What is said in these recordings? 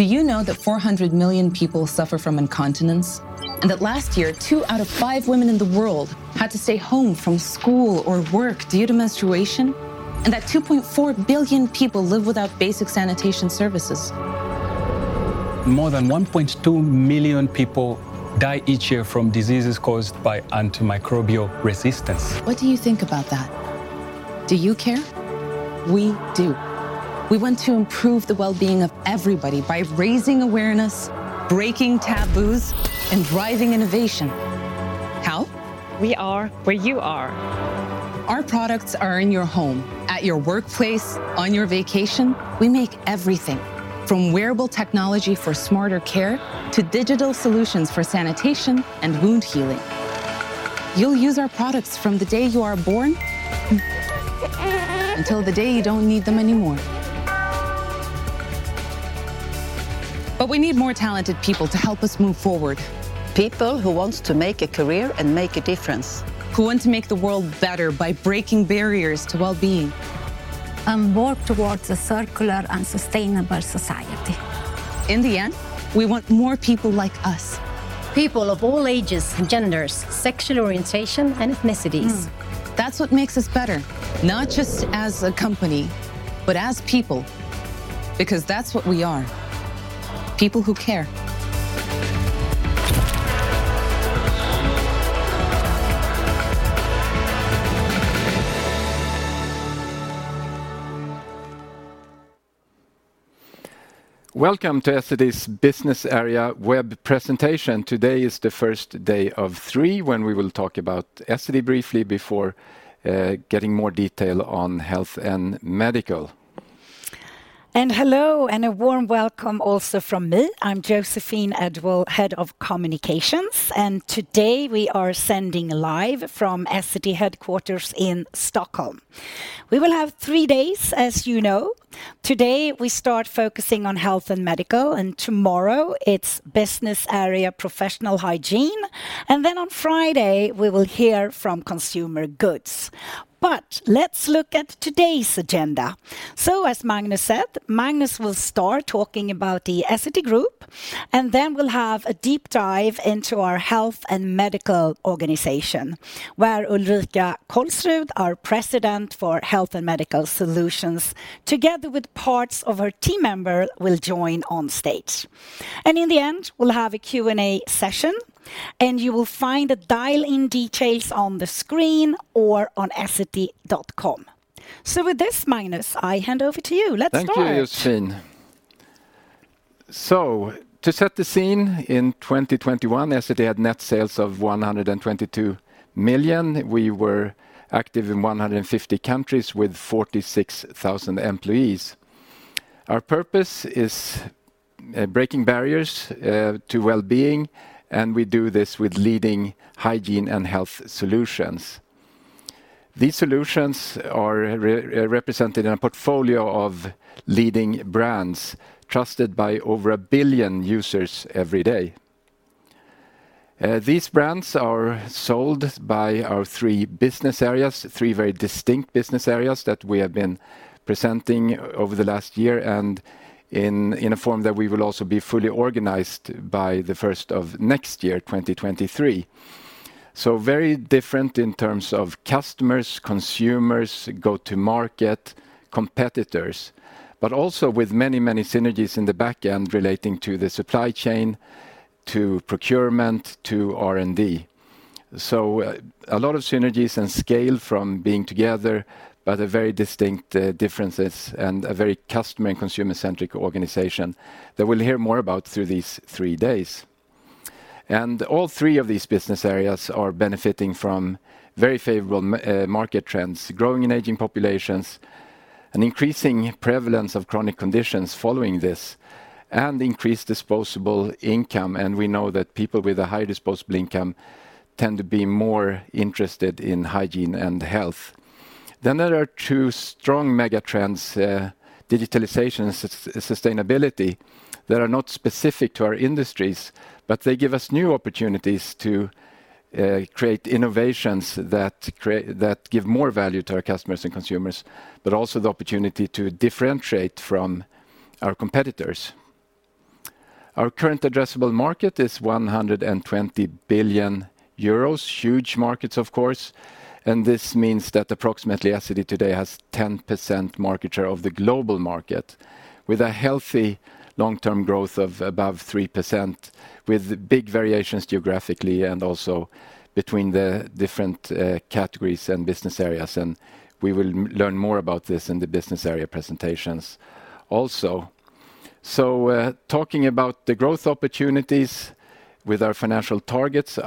Do you know that 400 million people suffer from incontinence? Last year, two out of five women in the world had to stay home from school or work due to menstruation? 2.4 billion people live without basic sanitation services? More than 1.2 million people die each year from diseases caused by antimicrobial resistance. What do you think about that? Do you care? We do. We want to improve the well-being of everybody by raising awareness, breaking taboos, and driving innovation. How? We are where you are. Our products are in your home, at your workplace, on your vacation. We make everything, from wearable technology for smarter care to digital solutions for sanitation and wound healing. You'll use our products from the day you are born until the day you don't need them anymore. But we need more talented people to help us move forward. People who wants to make a career and make a difference. Who want to make the world better by breaking barriers to well-being. Work towards a circular and sustainable society. In the end, we want more people like us. People of all ages and genders, sexual orientation, and ethnicities. That's what makes us better, not just as a company, but as people, because that's what we are, people who care. Welcome to Essity's Business Area Web Presentation. Today is the first day of three when we will talk about Essity briefly before getting more detail on Health & Medical. Hello, and a warm welcome also from me. I'm Joséphine Edwall-Björklund, Head of Communications, and today we are sending live from Essity headquarters in Stockholm. We will have three days, as you know. Today, we start focusing on Health & Medical, and tomorrow it's Business Area Professional Hygiene. On Friday, we will hear from Consumer Goods. Let's look at today's agenda. As Magnus said, Magnus will start talking about the Essity Group, and then we'll have a deep dive into our Health & Medical organization, where Ulrika Kolsrud, our President for Health & Medical Solutions, together with parts of her team member, will join on stage. In the end, we'll have a Q&A session, and you will find the dial-in details on the screen or on essity.com. With this, Magnus, I hand over to you. Let's start. Thank you, Joséphine. To set the scene, in 2021, Essity had net sales of 122 million. We were active in 150 countries with 46,000 employees. Our purpose is breaking barriers to well-being, and we do this with leading hygiene and health solutions. These solutions are re-represented in a portfolio of leading brands trusted by over 1 billion users every day. These brands are sold by our three business areas, three very distinct business areas that we have been presenting over the last year and in a form that we will also be fully organized by the first of next year, 2023. Very different in terms of customers, consumers, go-to market, competitors, but also with many, many synergies in the back end relating to the supply chain, to procurement, to R&D. A lot of synergies and scale from being together, but a very distinct differences and a very customer and consumer-centric organization that we'll hear more about through these three days. All three of these business areas are benefiting from very favorable market trends, growing and aging populations, an increasing prevalence of chronic conditions following this, and increased disposable income. We know that people with a high disposable income tend to be more interested in hygiene and health. There are two strong mega trends, digitalization and sustainability, that are not specific to our industries, but they give us new opportunities to create innovations that give more value to our customers and consumers, but also the opportunity to differentiate from our competitors. Our current addressable market is 120 billion euros. Huge markets, of course. This means that approximately Essity today has 10% market share of the global market with a healthy long-term growth of above 3%, with big variations geographically and also between the different categories and business areas. We will learn more about this in the business area presentations also. Talking about the growth opportunities with our financial targets,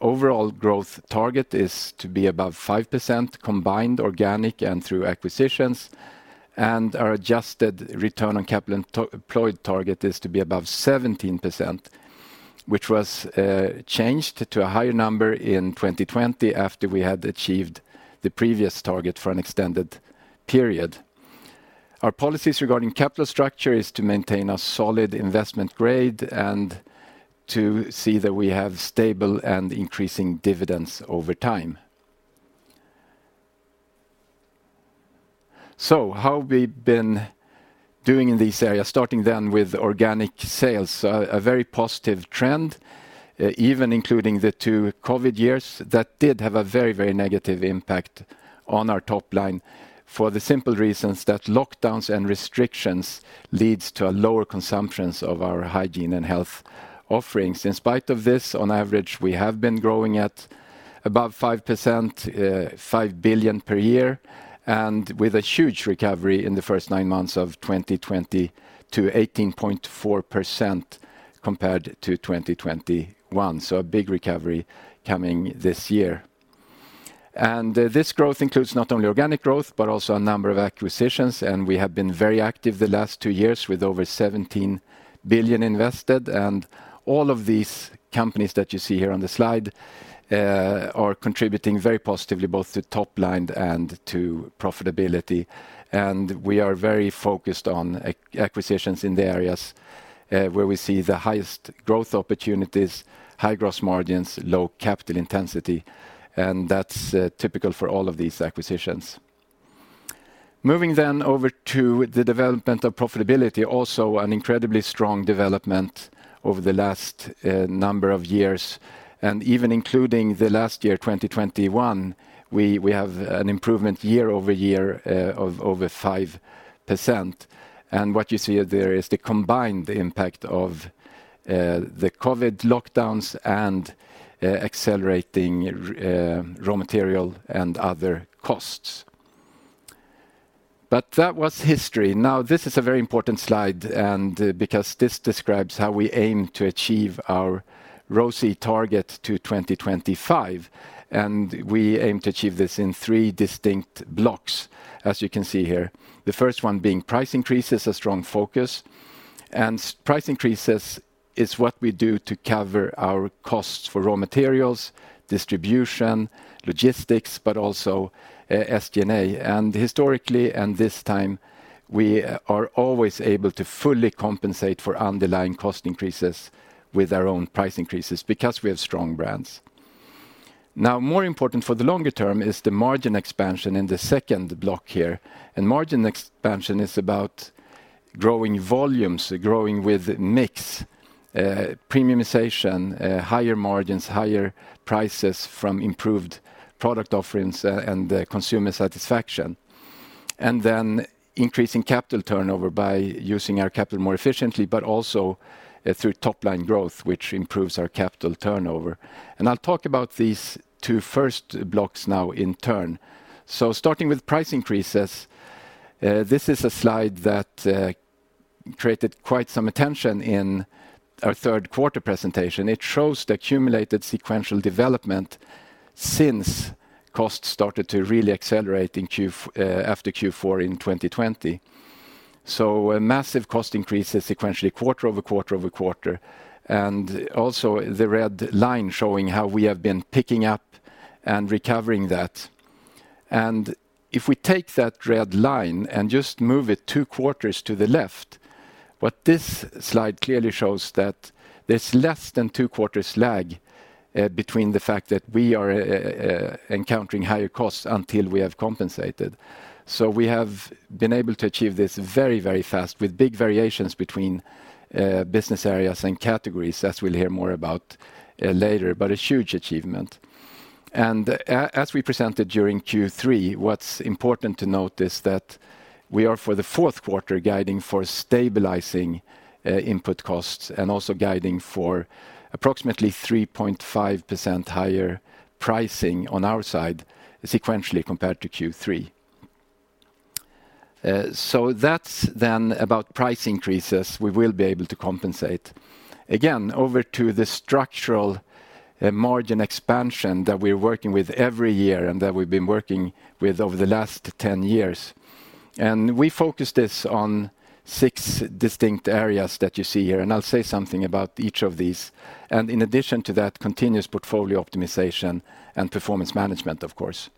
our overall growth target is to be above 5%, combined organic and through acquisitions. Our adjusted return on capital employed target is to be above 17%, which was changed to a higher number in 2020 after we had achieved the previous target for an extended period. Our policies regarding capital structure is to maintain a solid investment grade and to see that we have stable and increasing dividends over time. How we've been doing in this area, starting then with organic sales, a very positive trend, even including the two COVID years that did have a very, very negative impact on our top line for the simple reasons that lockdowns and restrictions leads to a lower consumptions of our hygiene and health offerings. In spite of this, on average, we have been growing at about 5%, 5 billion per year, and with a huge recovery in the first nine months of 2020 to 18.4% compared to 2021. A big recovery coming this year. This growth includes not only organic growth, but also a number of acquisitions, and we have been very active the last two years with over 17 billion invested. All of these companies that you see here on the slide are contributing very positively, both to top line and to profitability. We are very focused on acquisitions in the areas where we see the highest growth opportunities, high gross margins, low capital intensity, and that's typical for all of these acquisitions. Moving over to the development of profitability, also an incredibly strong development over the last number of years. Even including the last year, 2021, we have an improvement year-over-year of over 5%. What you see there is the combined impact of the COVID lockdowns and accelerating raw material and other costs. That was history. This is a very important slide, and because this describes how we aim to achieve our ROCE target to 2025, and we aim to achieve this in three distinct blocks, as you can see here. The first one being price increases, a strong focus. Price increases is what we do to cover our costs for raw materials, distribution, logistics, but also SG&A. Historically, and this time, we are always able to fully compensate for underlying cost increases with our own price increases because we have strong brands. More important for the longer term is the margin expansion in the second block here. Margin expansion is about growing volumes, growing with mix, premiumization, higher margins, higher prices from improved product offerings, and consumer satisfaction. Increasing capital turnover by using our capital more efficiently, but also through top-line growth, which improves our capital turnover. I'll talk about these two first blocks now in turn. Starting with price increases, this is a slide that created quite some attention in our third quarter presentation. It shows the accumulated sequential development since costs started to really accelerate after Q4 in 2020. A massive cost increase sequentially quarter over quarter over quarter, and also the red line showing how we have been picking up and recovering that. If we take that red line and just move it two quarters to the left, what this slide clearly shows that there's less than two quarters lag between the fact that we are encountering higher costs until we have compensated. We have been able to achieve this very, very fast with big variations between business areas and categories, as we'll hear more about later, but a huge achievement. As we presented during Q3, what's important to note is that we are for the fourth quarter guiding for stabilizing input costs and also guiding for approximately 3.5% higher pricing on our side sequentially compared to Q3. That's then about price increases. We will be able to compensate. Over to the structural margin expansion that we're working with every year and that we've been working with over the last 10 years. We focus this on six distinct areas that you see here, and I'll say something about each of these. In addition to that, continuous portfolio optimization and performance management, of course.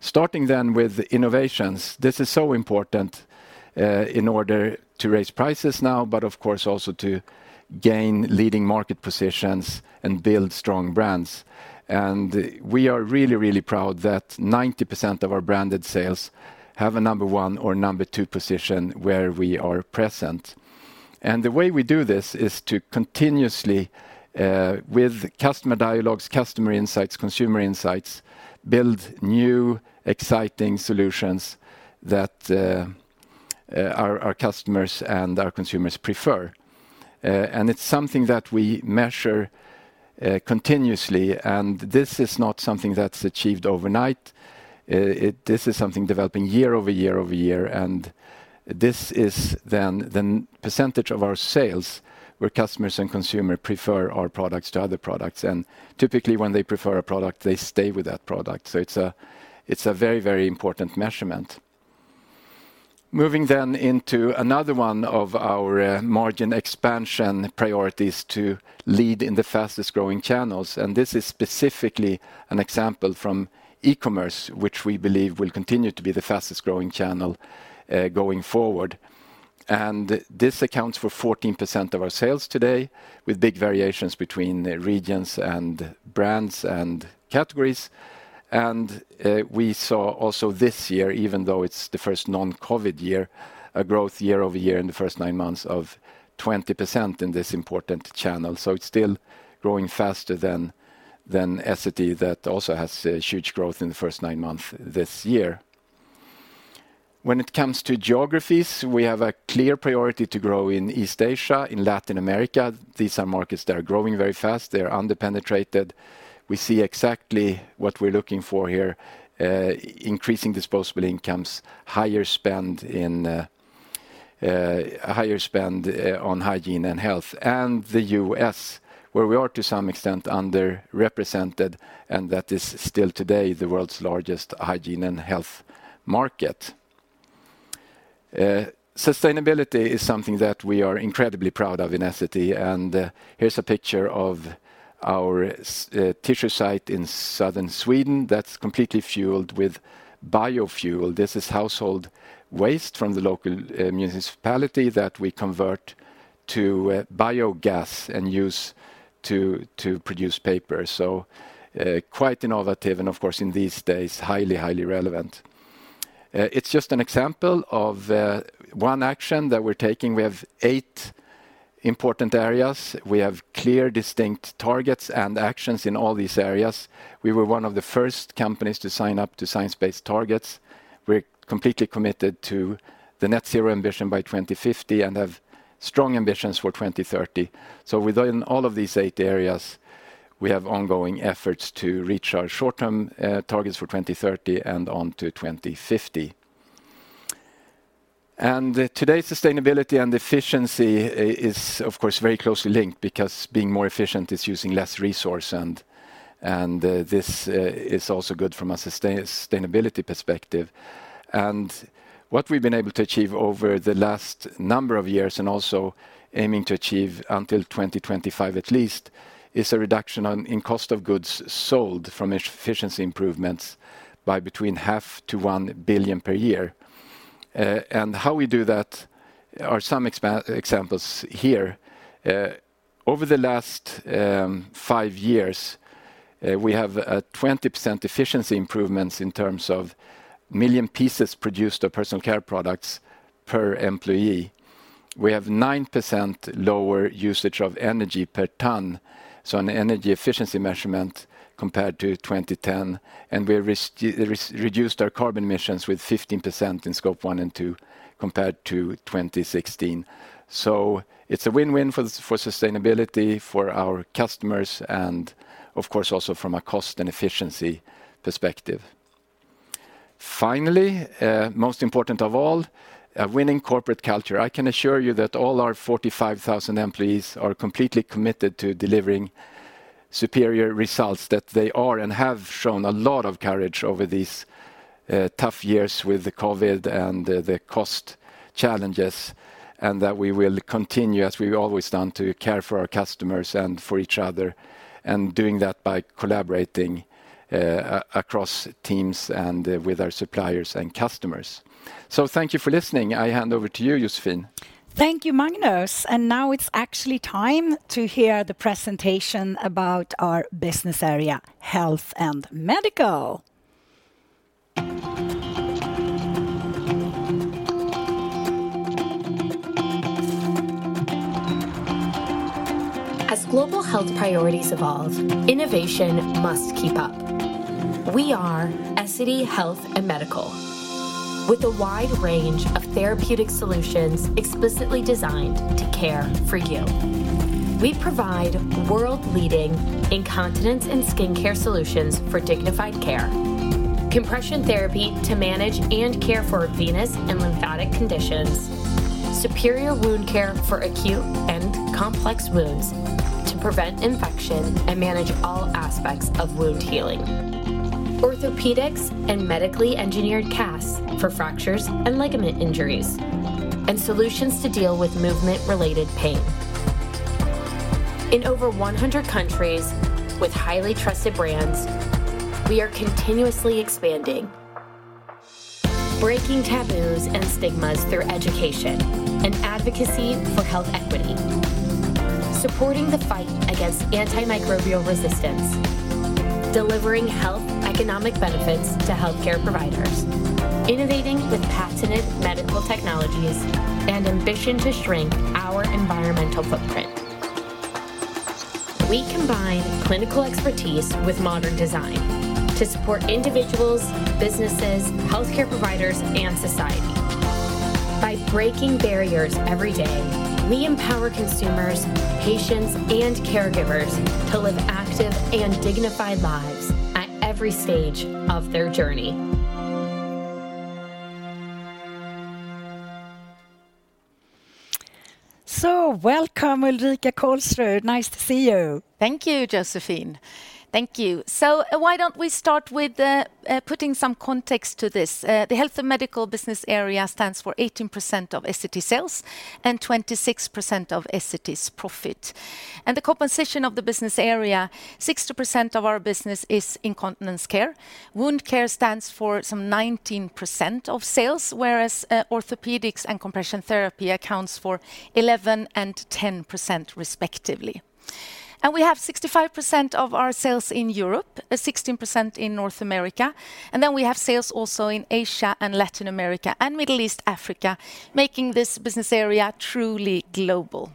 Starting with innovations, this is so important in order to raise prices now, of course also to gain leading market positions and build strong brands. We are really, really proud that 90% of our branded sales have a number one or number two position where we are present. The way we do this is to continuously with customer dialogues, customer insights, consumer insights, build new exciting solutions that our customers and our consumers prefer. It's something that we measure continuously. This is not something that's achieved overnight. This is something developing year-over-year-over-year. This is then the percentage of our sales where customers and consumer prefer our products to other products. Typically, when they prefer a product, they stay with that product. It's a very, very important measurement. Moving into another one of our margin expansion priorities to lead in the fastest-growing channels. This is specifically an example from e-commerce, which we believe will continue to be the fastest-growing channel going forward. This accounts for 14% of our sales today, with big variations between regions and brands and categories. We saw also this year, even though it's the first non-COVID year, a growth year-over-year in the first nine months of 20% in this important channel. It's still growing faster than Essity that also has huge growth in the first nine months this year. When it comes to geographies, we have a clear priority to grow in East Asia, in Latin America. These are markets that are growing very fast. They are under-penetrated. We see exactly what we're looking for here, increasing disposable incomes, higher spend on hygiene and health. The U.S., where we are to some extent underrepresented, and that is still today the world's largest hygiene and health market. Sustainability is something that we are incredibly proud of in Essity, and here's a picture of our tissue site in southern Sweden that's completely fueled with biofuel. This is household waste from the local municipality that we convert to biogas and use to produce paper. Quite innovative and of course, in these days, highly relevant. It's just an example of one action that we're taking. We have eight important areas. We have clear, distinct targets and actions in all these areas. We were one of the first companies to sign up to Science-Based Targets. We're completely committed to the net zero emissions by 2050 and have strong ambitions for 2030. Within all of these eight areas, we have ongoing efforts to reach our short-term targets for 2030 and onto 2050. Today's sustainability and efficiency is of course, very closely linked because being more efficient is using less resource and this is also good from a sustainability perspective. What we've been able to achieve over the last number of years and also aiming to achieve until 2025 at least, is a reduction in cost of goods sold from efficiency improvements by between SEK 500 million to 1 billion per year. How we do that are some examples here. Over the last five years, we have a 20% efficiency improvements in terms of million pieces produced of personal care products per employee. We have 9% lower usage of energy per ton, so an energy efficiency measurement compared to 2010, and we're reduced our carbon emissions with 15% in Scope 1 and 2 compared to 2016. It's a win-win for sustainability for our customers and of course, also from a cost and efficiency perspective. Finally, most important of all, a winning corporate culture. I can assure you that all our 45,000 employees are completely committed to delivering superior results that they are and have shown a lot of courage over these tough years with the COVID and the cost challenges, and that we will continue, as we've always done, to care for our customers and for each other, and doing that by collaborating across teams and with our suppliers and customers. Thank you for listening. I hand over to you, Joséphine. Thank you, Magnus. Now it's actually time to hear the presentation about our business area, Health & Medical. As global health priorities evolve, innovation must keep up. We are Essity Health & Medical, with a wide range of therapeutic solutions explicitly designed to care for you. We provide world-leading incontinence and skin care solutions for dignified care, compression therapy to manage and care for venous and lymphatic conditions, superior wound care for acute and complex wounds to prevent infection and manage all aspects of wound healing, orthopedics and medically engineered casts for fractures and ligament injuries, and solutions to deal with movement-related pain. In over 100 countries with highly trusted brands, we are continuously expanding, breaking taboos and stigmas through education and advocacy for health equity, supporting the fight against antimicrobial resistance, delivering health economic benefits to healthcare providers, innovating with patented medical technologies, and ambition to shrink our environmental footprint. We combine clinical expertise with modern design to support individuals, businesses, healthcare providers, and society. By breaking barriers every day, we empower consumers, patients, and caregivers to live active and dignified lives at every stage of their journey. Welcome, Ulrika Kolsrud. Nice to see you. Thank you, Joséphine. Thank you. Why don't we start with putting some context to this? The Health & Medical business area stands for 18% of Essity sales 26% of Essity's profit. The composition of the business area, 60% of our business is Incontinence Care. Wound care stands for some 19% of sales, whereas Orthopedics and Compression Therapy accounts for 11 and 10%, respectively. We have 65% of our sales in Europe, 16% in North America, and then we have sales also in Asia and Latin America and Middle East Africa, making this business area truly global.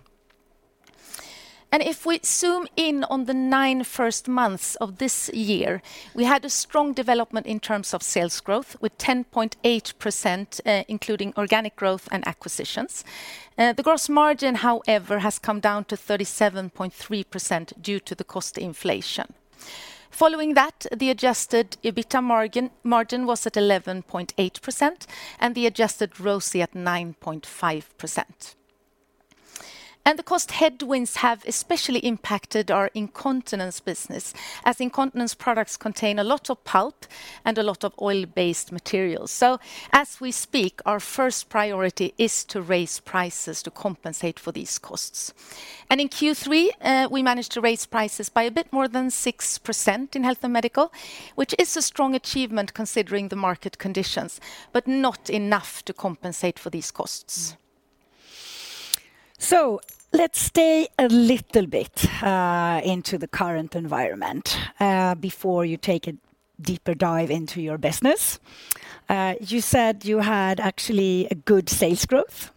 If we zoom in on the nine first months of this year, we had a strong development in terms of sales growth with 10.8%, including organic growth and acquisitions. The gross margin, however, has come down to 37.3% due to the cost inflation. Following that, the adjusted EBITDA margin was at 11.8%, and the adjusted ROCE at 9.5%. The cost headwinds have especially impacted our incontinence business, as incontinence products contain a lot of pulp and a lot of oil-based materials. As we speak, our first priority is to raise prices to compensate for these costs. In Q3, we managed to raise prices by a bit more than 6% in Health & Medical, which is a strong achievement considering the market conditions, but not enough to compensate for these costs. Let's stay a little bit into the current environment before you take a deeper dive into your business. You said you had actually a good sales growth.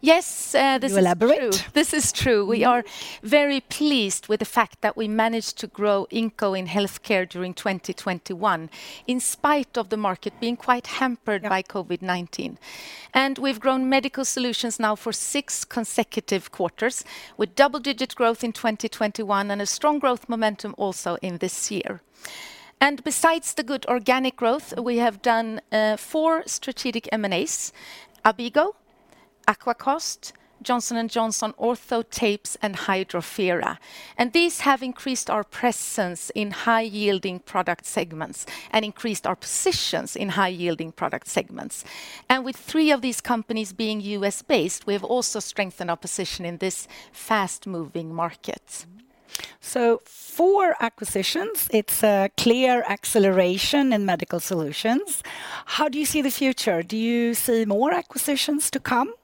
Yes, this is true. Can you elaborate? This is true. We are very pleased with the fact that we managed to grow Inco in healthcare during 2021, in spite of the market being quite hampered. Yeah by COVID-19. We've grown Medical Solutions now for six consecutive quarters, with double-digit growth in 2021 and a strong growth momentum also in this year. Besides the good organic growth, we have done four strategic M&As, ABIGO, AquaCast, Johnson & Johnson Ortho Tapes, and Hydrofera. These have increased our presence in high-yielding product segments and increased our positions in high-yielding product segments. With three of these companies being U.S.-based, we have also strengthened our position in this fast-moving market. Four acquisitions, it's a clear acceleration in Medical Solutions. How do you see the future? Do you see more acquisitions to come?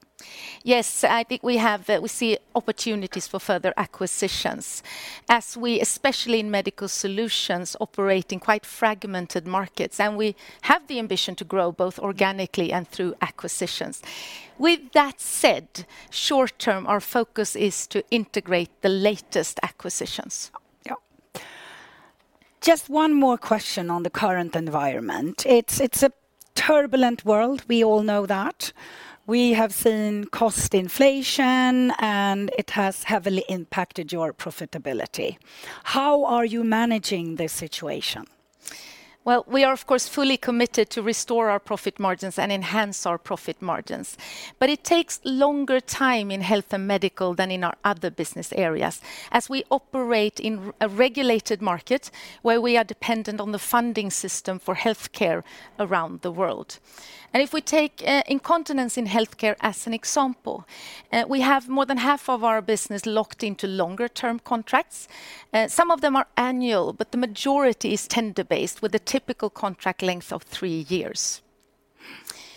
Yes. I think we see opportunities for further acquisitions as we, especially in Medical Solutions, operate in quite fragmented markets, and we have the ambition to grow both organically and through acquisitions. With that said, short term, our focus is to integrate the latest acquisitions. Yeah. Yeah. Just one more question on the current environment. It's a turbulent world. We all know that. We have seen cost inflation. It has heavily impacted your profitability. How are you managing this situation? We are, of course, fully committed to restore our profit margins and enhance our profit margins. It takes longer time in Health & Medical than in our other business areas, as we operate in a regulated market, where we are dependent on the funding system for healthcare around the world. If we take incontinence in healthcare as an example, we have more than half of our business locked into longer-term contracts. Some of them are annual, but the majority is tender-based, with a typical contract length of three years.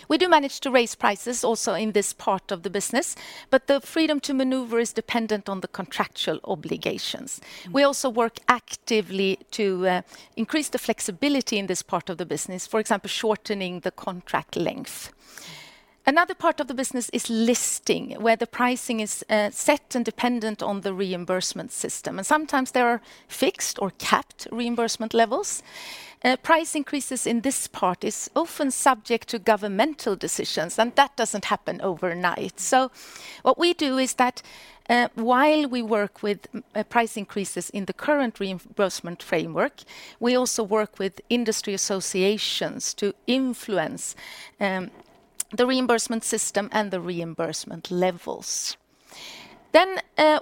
We do manage to raise prices also in this part of the business. The freedom to maneuver is dependent on the contractual obligations. We also work actively to increase the flexibility in this part of the business, for example, shortening the contract length. Another part of the business is listing, where the pricing is set and dependent on the reimbursement system, and sometimes there are fixed or capped reimbursement levels. Price increases in this part is often subject to governmental decisions, and that doesn't happen overnight. What we do is that, while we work with price increases in the current reimbursement framework, we also work with industry associations to influence the reimbursement system and the reimbursement levels.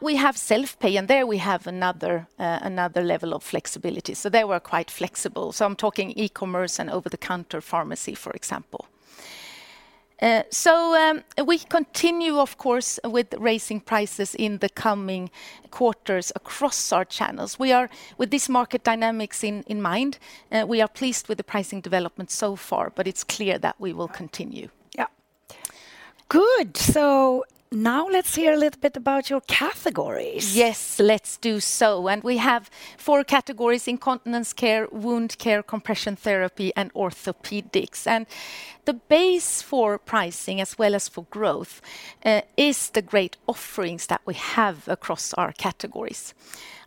We have self-pay, and there we have another level of flexibility. There we're quite flexible. I'm talking e-commerce and over-the-counter pharmacy, for example. We continue, of course, with raising prices in the coming quarters across our channels. We are...With these market dynamics in mind, we are pleased with the pricing development so far, but it's clear that we will continue. Yeah. Good. Now let's hear a little bit about your categories. Yes, let's do so. We have four categories: Incontinence Care, Wound Care, Compression Therapy, and Orthopedics. The base for pricing as well as for growth is the great offerings that we have across our categories.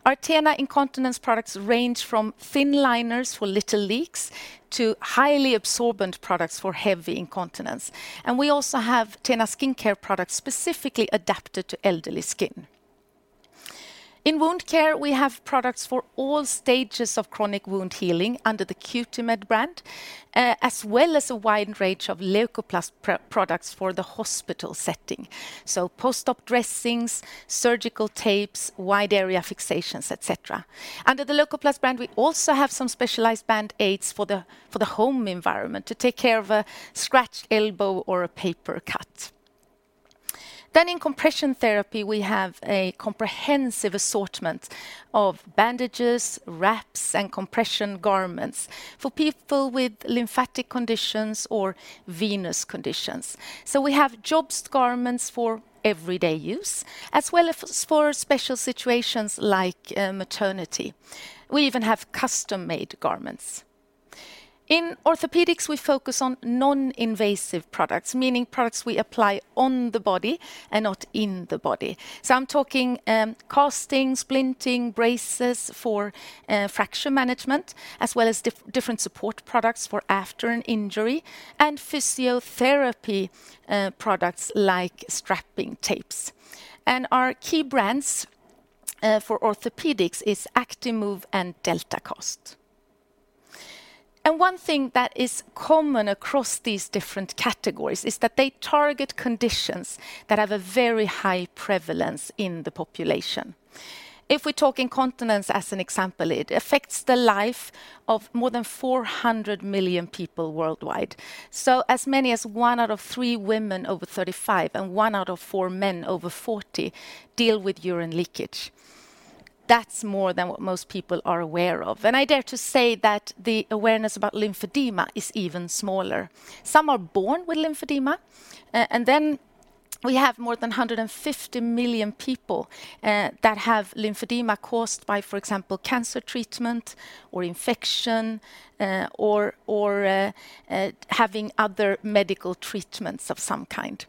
Our TENA Incontinence products range from thin liners for little leaks to highly absorbent products for heavy incontinence. We also have TENA skincare products specifically adapted to elderly skin. In Wound Care, we have products for all stages of chronic wound healing under the Cutimed brand, as well as a wide range of Leukoplast products for the hospital setting, so post-op dressings, surgical tapes, wide area fixations, et cetera. Under the Leukoplast brand, we also have some specialized Band-Aids for the home environment to take care of a scratched elbow or a paper cut. In Compression Therapy, we have a comprehensive assortment of bandages, wraps, and compression garments for people with lymphatic conditions or venous conditions. We have JOBST garments for everyday use, as well as for special situations like maternity. We even have custom-made garments. In Orthopedics, we focus on non-invasive products, meaning products we apply on the body and not in the body. I'm talking casting, splinting, braces for fracture management, as well as different support products for after an injury, and physiotherapy products like strapping tapes. Our key brands for Orthopedics is Actimove and Delta-Cast. One thing that is common across these different categories is that they target conditions that have a very high prevalence in the population. If we talk incontinence as an example, it affects the life of more than 400 million people worldwide. As many as one out of three women over 35 and one out of four men over 40 deal with urine leakage. That's more than what most people are aware of. I dare to say that the awareness about lymphedema is even smaller. Some are born with lymphedema, and then we have more than 150 million people that have lymphedema caused by, for example, cancer treatment or infection, or having other medical treatments of some kind.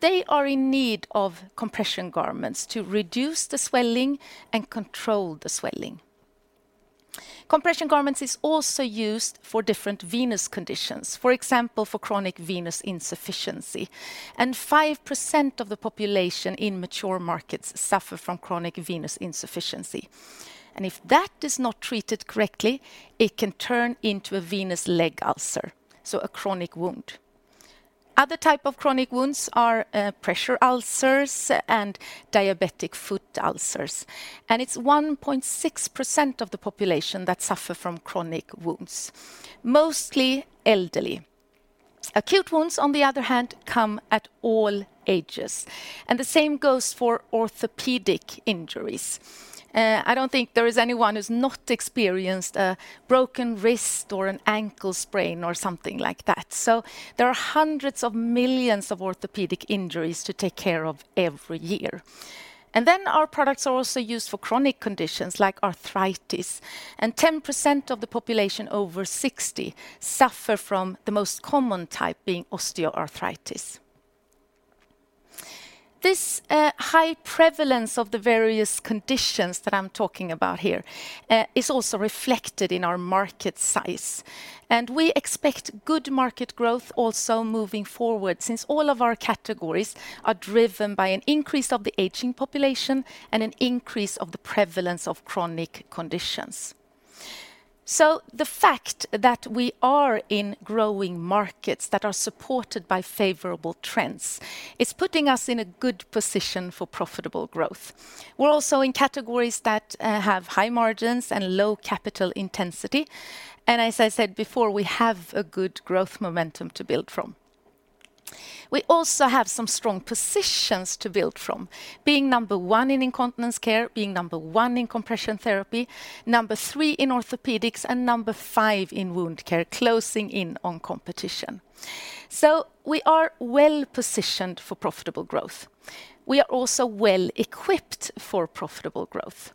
They are in need of compression garments to reduce the swelling and control the swelling. Compression garments is also used for different venous conditions, for example, for chronic venous insufficiency. 5% of the population in mature markets suffer from chronic venous insufficiency. If that is not treated correctly, it can turn into a venous leg ulcer, so a chronic wound. Other type of chronic wounds are pressure ulcers and diabetic foot ulcers. It's 1.6% of the population that suffer from chronic wounds, mostly elderly. Acute wounds, on the other hand, come at all ages. The same goes for orthopedic injuries. I don't think there is anyone who's not experienced a broken wrist or an ankle sprain or something like that. There are hundreds of millions of orthopedic injuries to take care of every year. Our products are also used for chronic conditions like arthritis, and 10% of the population over 60 suffer from the most common type being osteoarthritis. This high prevalence of the various conditions that I'm talking about here is also reflected in our market size, and we expect good market growth also moving forward since all of our categories are driven by an increase of the aging population and an increase of the prevalence of chronic conditions. The fact that we are in growing markets that are supported by favorable trends is putting us in a good position for profitable growth. We're also in categories that have high margins and low capital intensity, and as I said before, we have a good growth momentum to build from. We also have some strong positions to build from, being number one in Incontinence Care, being number one in Compression Therapy, number three in Orthopedics, and number five in Wound Care, closing in on competition. We are well positioned for profitable growth. We are also well equipped for profitable growth.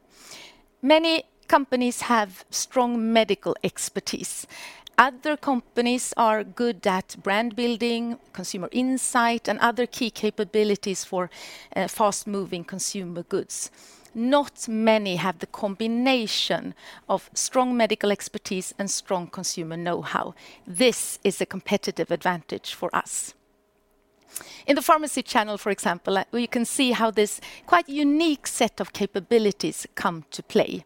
Many companies have strong medical expertise. Other companies are good at brand building, consumer insight, and other key capabilities for fast-moving consumer goods. Not many have the combination of strong medical expertise and strong consumer know-how. This is a competitive advantage for us. In the pharmacy channel, for example, we can see how this quite unique set of capabilities come to play.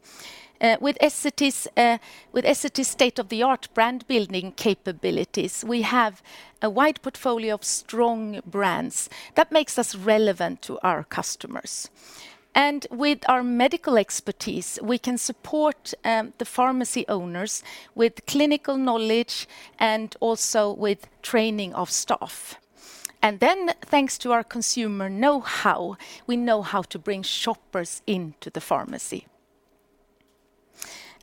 With Essity's state-of-the-art brand building capabilities, we have a wide portfolio of strong brands that makes us relevant to our customers. With our medical expertise, we can support the pharmacy owners with clinical knowledge and also with training of staff. Thanks to our consumer know-how, we know how to bring shoppers into the pharmacy.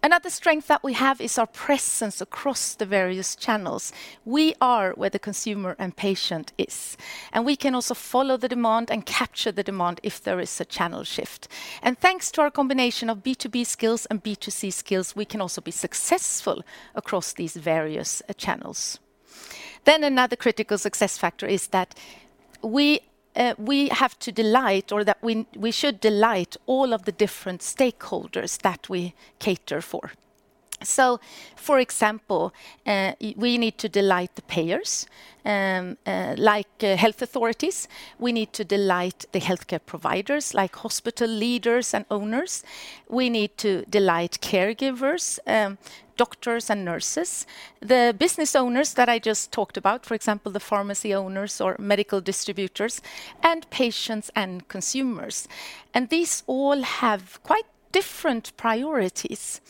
Another strength that we have is our presence across the various channels. We are where the consumer and patient is, and we can also follow the demand and capture the demand if there is a channel shift. Thanks to our combination of B2B skills and B2C skills, we can also be successful across these various channels. Another critical success factor is that we have to delight or that we should delight all of the different stakeholders that we cater for. For example, we need to delight the payers, like health authorities. We need to delight the healthcare providers like hospital leaders and owners. We need to delight caregivers, doctors and nurses, the business owners that I just talked about, for example, the pharmacy owners or medical distributors, and patients and consumers. These all have quite different priorities.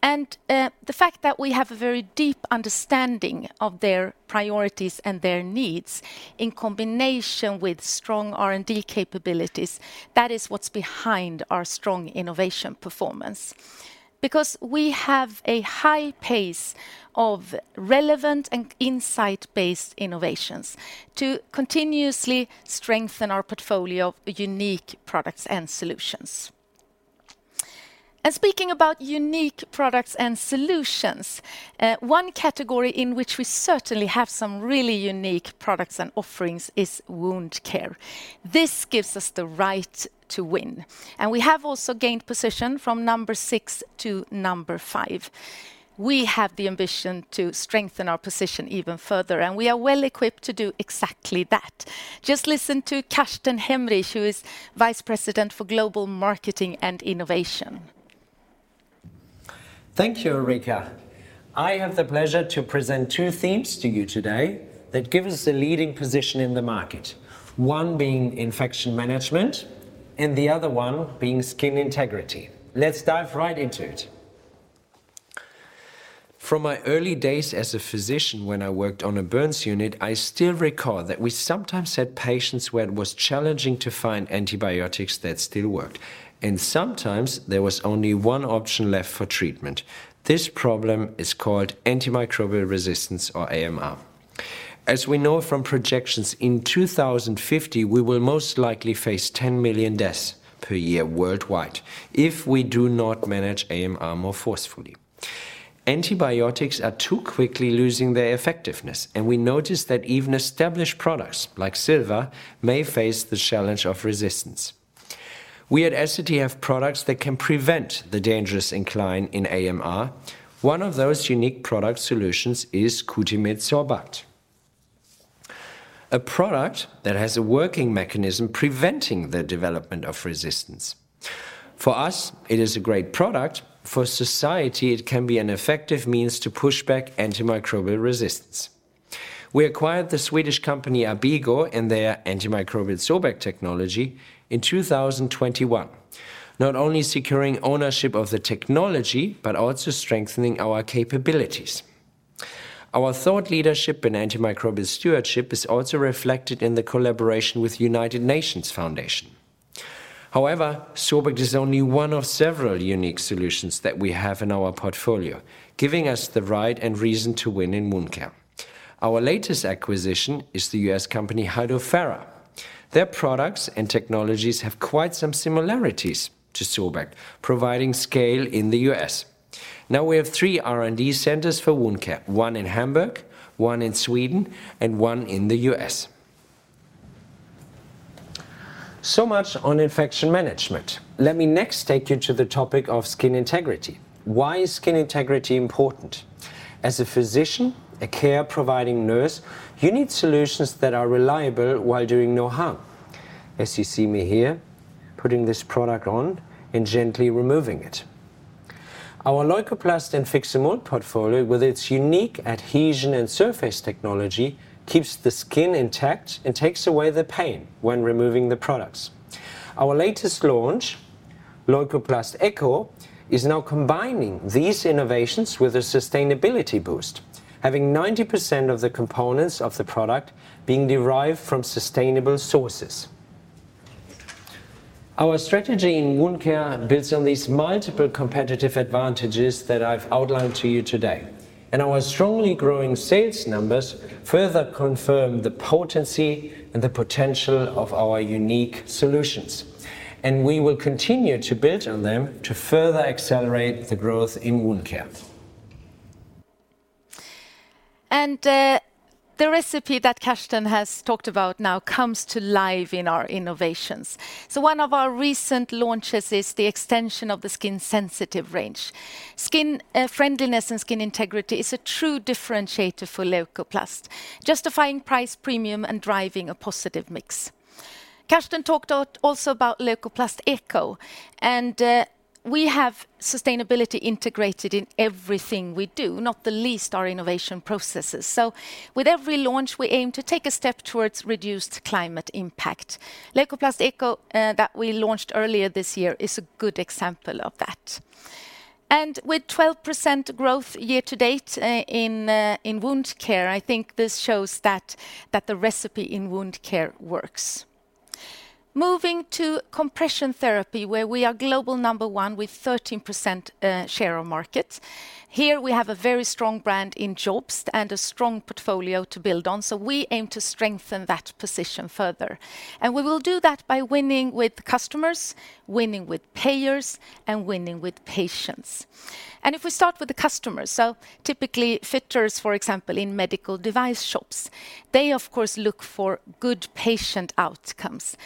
The fact that we have a very deep understanding of their priorities and their needs in combination with strong R&D capabilities, that is what's behind our strong innovation performance. Because we have a high pace of relevant and insight-based innovations to continuously strengthen our portfolio of unique products and solutions. Speaking about unique products and solutions, one category in which we certainly have some really unique products and offerings is wound care. This gives us the right to win, and we have also gained position from number six to number five. We have the ambition to strengthen our position even further, and we are well-equipped to do exactly that. Just listen to Karsten Hemmrich, who is Vice President for Global Marketing and Innovation. Thank you, Ulrika. I have the pleasure to present two themes to you today that give us a leading position in the market. One being infection management and the other one being skin integrity. Let's dive right into it. From my early days as a physician when I worked on a burns unit, I still recall that we sometimes had patients where it was challenging to find antibiotics that still worked, and sometimes there was only one option left for treatment. This problem is called antimicrobial resistance, or AMR. We know from projections, in 2050, we will most likely face 10 million deaths per year worldwide if we do not manage AMR more forcefully. Antibiotics are too quickly losing their effectiveness, we notice that even established products like silver may face the challenge of resistance. We at Essity have products that can prevent the dangerous incline in AMR. One of those unique product solutions is Cutimed Sorbact, a product that has a working mechanism preventing the development of resistance. For us, it is a great product. For society, it can be an effective means to push back antimicrobial resistance. We acquired the Swedish company ABIGO and their antimicrobial Sorbact technology in 2021, not only securing ownership of the technology but also strengthening our capabilities. Our thought leadership in antimicrobial stewardship is also reflected in the collaboration with United Nations Foundation. Sorbact is only one of several unique solutions that we have in our portfolio, giving us the right and reason to win in wound care. Our latest acquisition is the U.S. company Hydrofera. Their products and technologies have quite some similarities to Sorbact, providing scale in the U.S. We have three R&D centers for Wound Care, one in Hamburg, one in Sweden, and one in the U.S. Much on infection management. Let me next take you to the topic of skin integrity. Why is skin integrity important? As a physician, a care-providing nurse, you need solutions that are reliable while doing no harm. As you see me here, putting this product on and gently removing it. Our Leukoplast and Fixomull portfolio, with its unique adhesion and surface technology, keeps the skin intact and takes away the pain when removing the products. Our latest launch, Leukoplast eco, is now combining these innovations with a sustainability boost, having 90% of the components of the product being derived from sustainable sources. Our strategy in wound care builds on these multiple competitive advantages that I've outlined to you today, and our strongly growing sales numbers further confirm the potency and the potential of our unique solutions. We will continue to build on them to further accelerate the growth in Wound Care. The recipe that Karsten has talked about now comes to life in our innovations. One of our recent launches is the extension of the skin sensitive range. Skin friendliness and skin integrity is a true differentiator for Leukoplast, justifying price premium and driving a positive mix. Karsten talked also about Leukoplast eco, we have sustainability integrated in everything we do, not the least our innovation processes. With every launch, we aim to take a step towards reduced climate impact. Leukoplast eco that we launched earlier this year is a good example of that. With 12% growth year-to-date in Wound Care, I think this shows that the recipe in Wound Care works. Moving to Compression Therapy, where we are global number one with 13% share of market. Here, we have a very strong brand in JOBST and a strong portfolio to build on, so we aim to strengthen that position further. We will do that by winning with customers, winning with payers, and winning with patients. If we start with the customers, so typically fitters, for example, in medical device shops, they of course look for good patient outcomes.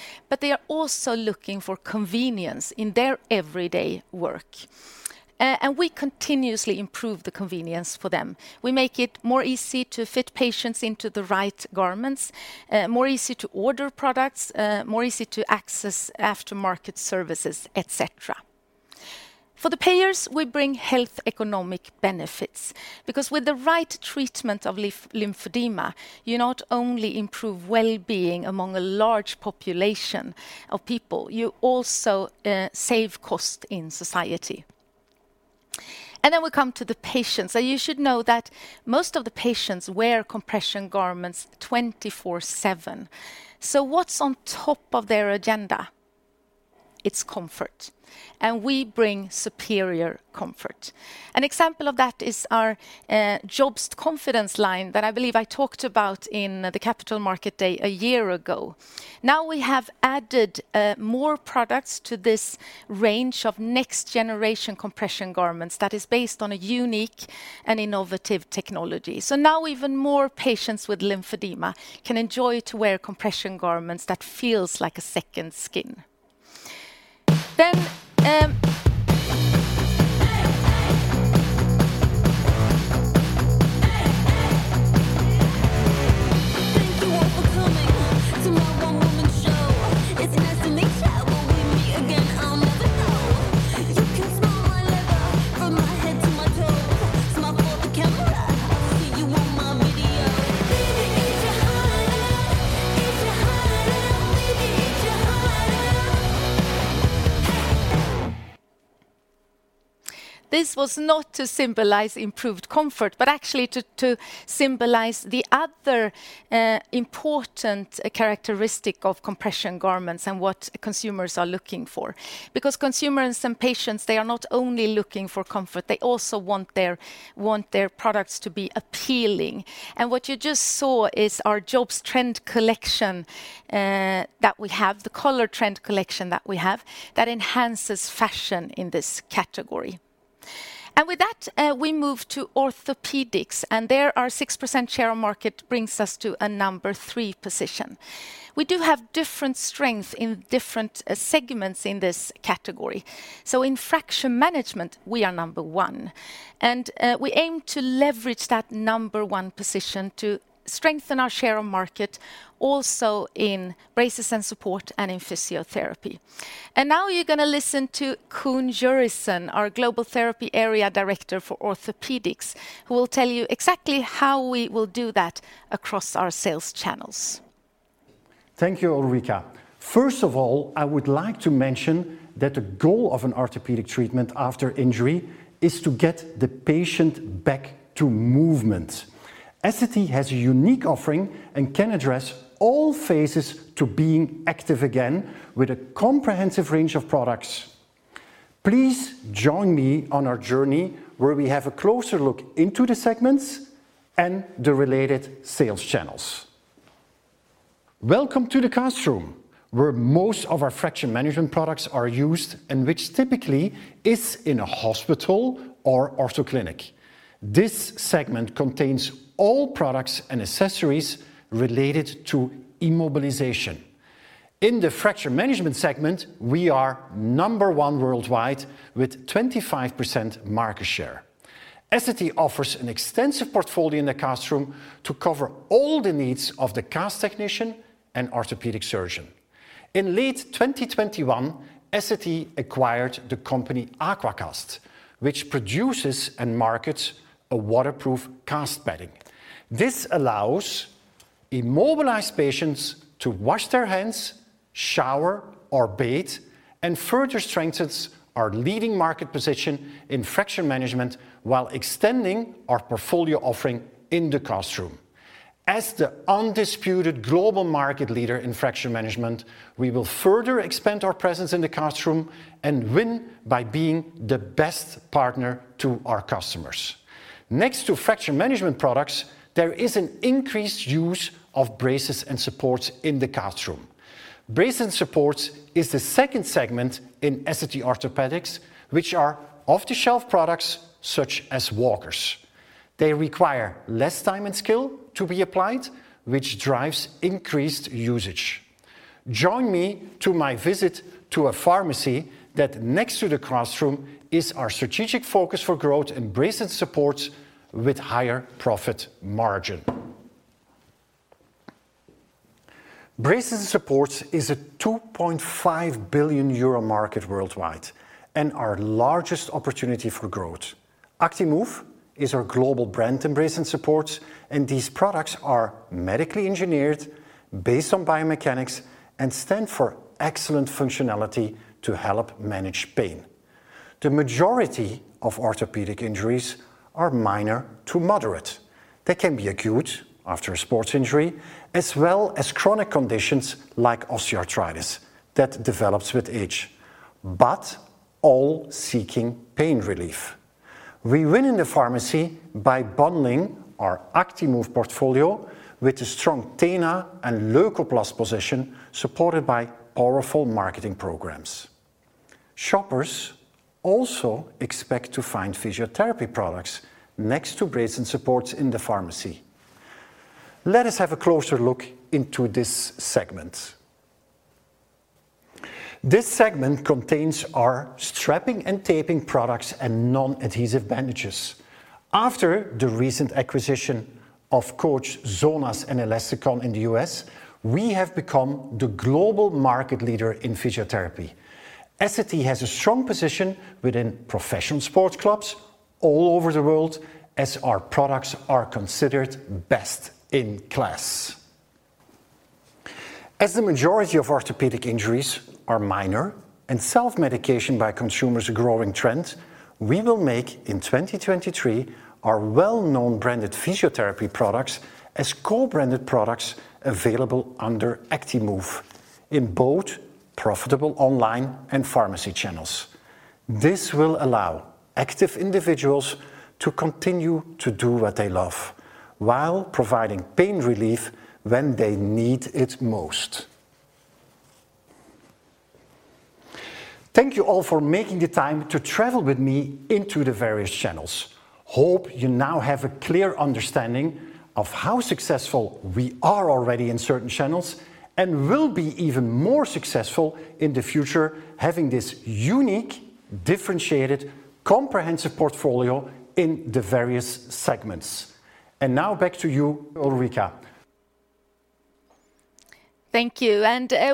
They are also looking for convenience in their everyday work. We continuously improve the convenience for them. We make it more easy to fit patients into the right garments, more easy to order products, more easy to access aftermarket services, et cetera. For the payers, we bring health economic benefits because with the right treatment of lymphedema, you not only improve well-being among a large population of people, you also save cost in society. Then we come to the patients. You should know that most of the patients wear compression garments 24/7. What's on top of their agenda? It's comfort, and we bring superior comfort. An example of that is our JOBST Confidence line that I believe I talked about in the Capital Market Day a year ago. Now we have added more products to this range of next generation compression garments that is based on a unique and innovative technology. Now even more patients with lymphedema can enjoy to wear compression garments that feels like a second skin. This was not to symbolize improved comfort, but actually to symbolize the other important characteristic of compression garments and what consumers are looking for. Consumers and patients, they are not only looking for comfort, they also want their products to be appealing. What you just saw is our JOBST trend collection, that we have, the color trend collection that we have that enhances fashion in this category. With that, we move to Orthopedics, and there our 6% share of market brings us to a number three position. We do have different strengths in different segments in this category. In fracture management, we are number one. We aim to leverage that number one position to strengthen our share of market also in braces and support and in physiotherapy. Now you're going to listen to Koen Jorissen, our Global Therapy Area Director for Orthopedics, who will tell you exactly how we will do that across our sales channels. Thank you, Ulrika. I would like to mention that the goal of an orthopedic treatment after injury is to get the patient back to movement. Essity has a unique offering and can address all phases to being active again with a comprehensive range of products. Please join me on our journey where we have a closer look into the segments and the related sales channels. Welcome to the cast room, where most of our fracture management products are used and which typically is in a hospital or orthoclinic. This segment contains all products and accessories related to immobilization. In the fracture management segment, we are number one worldwide with 25% market share. Essity offers an extensive portfolio in the cast room to cover all the needs of the cast technician and orthopedic surgeon. In late 2021, Essity acquired the company AquaCast, which produces and markets a waterproof cast padding. This allows immobilized patients to wash their hands, shower or bathe, and further strengthens our leading market position in fracture management while extending our portfolio offering in the cast room. As the undisputed global market leader in fracture management, we will further expand our presence in the cast room and win by being the best partner to our customers. Next to fracture management products, there is an increased use of braces and supports in the cast room. Braces and Supports is the second segment in Essity Orthopedics, which are off-the-shelf products such as walkers. They require less time and skill to be applied, which drives increased usage. Join me to my visit to a pharmacy that next to the cast room is our strategic focus for growth in braces and supports with higher profit margin. Braces and Supports is a 2.5 billion euro market worldwide and our largest opportunity for growth. Actimove is our global brand in Braces and Supports, and these products are medically engineered based on biomechanics and stand for excellent functionality to help manage pain. The majority of orthopedic injuries are minor to moderate. They can be acute after a sports injury, as well as chronic conditions like osteoarthritis that develops with age, but all seeking pain relief. We win in the pharmacy by bundling our Actimove portfolio with a strong TENA and Leukoplast position supported by powerful marketing programs. Shoppers also expect to find physiotherapy products next to braces and supports in the pharmacy. Let us have a closer look into this segment. This segment contains our strapping and taping products and non-adhesive bandages. After the recent acquisition of Coach, Zonas, and Elastikon in the U.S., we have become the global market leader in physiotherapy. Essity has a strong position within professional sports clubs all over the world, as our products are considered best in class. As the majority of orthopedic injuries are minor, and self-medication by consumer is a growing trend, we will make in 2023 our well-known branded physiotherapy products as co-branded products available under Actimove in both profitable online and pharmacy channels. This will allow active individuals to continue to do what they love while providing pain relief when they need it most. Thank you all for making the time to travel with me into the various channels. Hope you now have a clear understanding of how successful we are already in certain channels, and will be even more successful in the future having this unique, differentiated, comprehensive portfolio in the various segments. Now back to you, Ulrika. Thank you.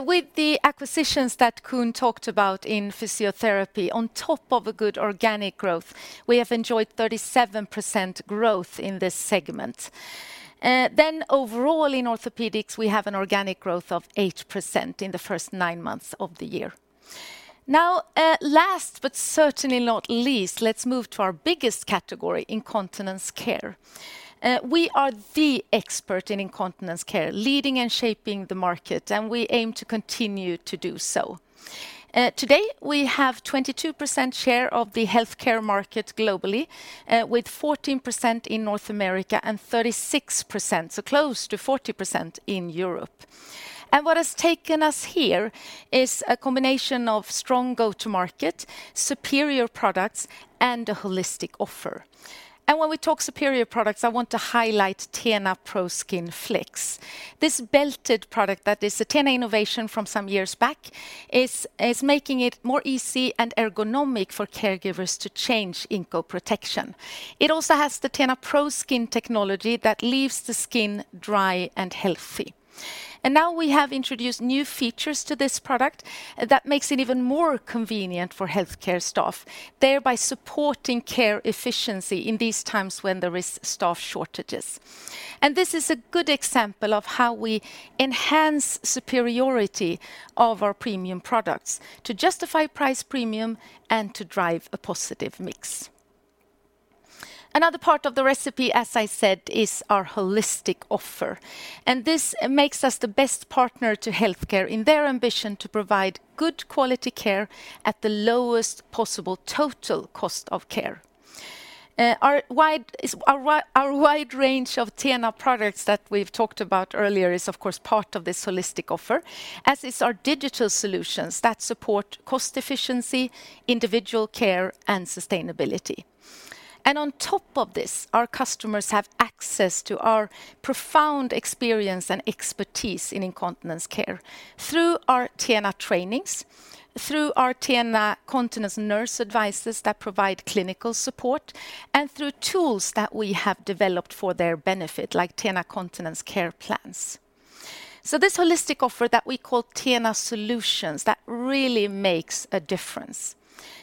With the acquisitions that Koen talked about in physiotherapy on top of a good organic growth, we have enjoyed 37% growth in this segment. Overall in Orthopedics, we have an organic growth of 8% in the first nine months of the year. Now, last but certainly not least, let's move to our biggest category, Incontinence Care. We are the expert in Incontinence Care, leading and shaping the market, and we aim to continue to do so. Today, we have 22% share of the healthcare market globally, with 14% in North America and 36%, so close to 40%, in Europe. What has taken us here is a combination of strong go to market, superior products, and a holistic offer. When we talk superior products, I want to highlight TENA ProSkin Flex. This belted product that is a TENA innovation from some years back is making it more easy and ergonomic for caregivers to change Inco protection. It also has the TENA ProSkin technology that leaves the skin dry and healthy. Now we have introduced new features to this product that makes it even more convenient for healthcare staff, thereby supporting care efficiency in these times when there is staff shortages. This is a good example of how we enhance superiority of our premium products to justify price premium and to drive a positive mix. Another part of the recipe, as I said, is our holistic offer, and this makes us the best partner to healthcare in their ambition to provide good quality care at the lowest possible total cost of care. Our wide range of TENA products that we've talked about earlier is of course part of this holistic offer, as is our digital solutions that support cost efficiency, individual care, and sustainability. On top of this, our customers have access to our profound experience and expertise in incontinence care through our TENA trainings, through our TENA Incontinence nurse advisors that provide clinical support, and through tools that we have developed for their benefit, like TENA Incontinence Care plans. This holistic offer that we call TENA Solutions, that really makes a difference.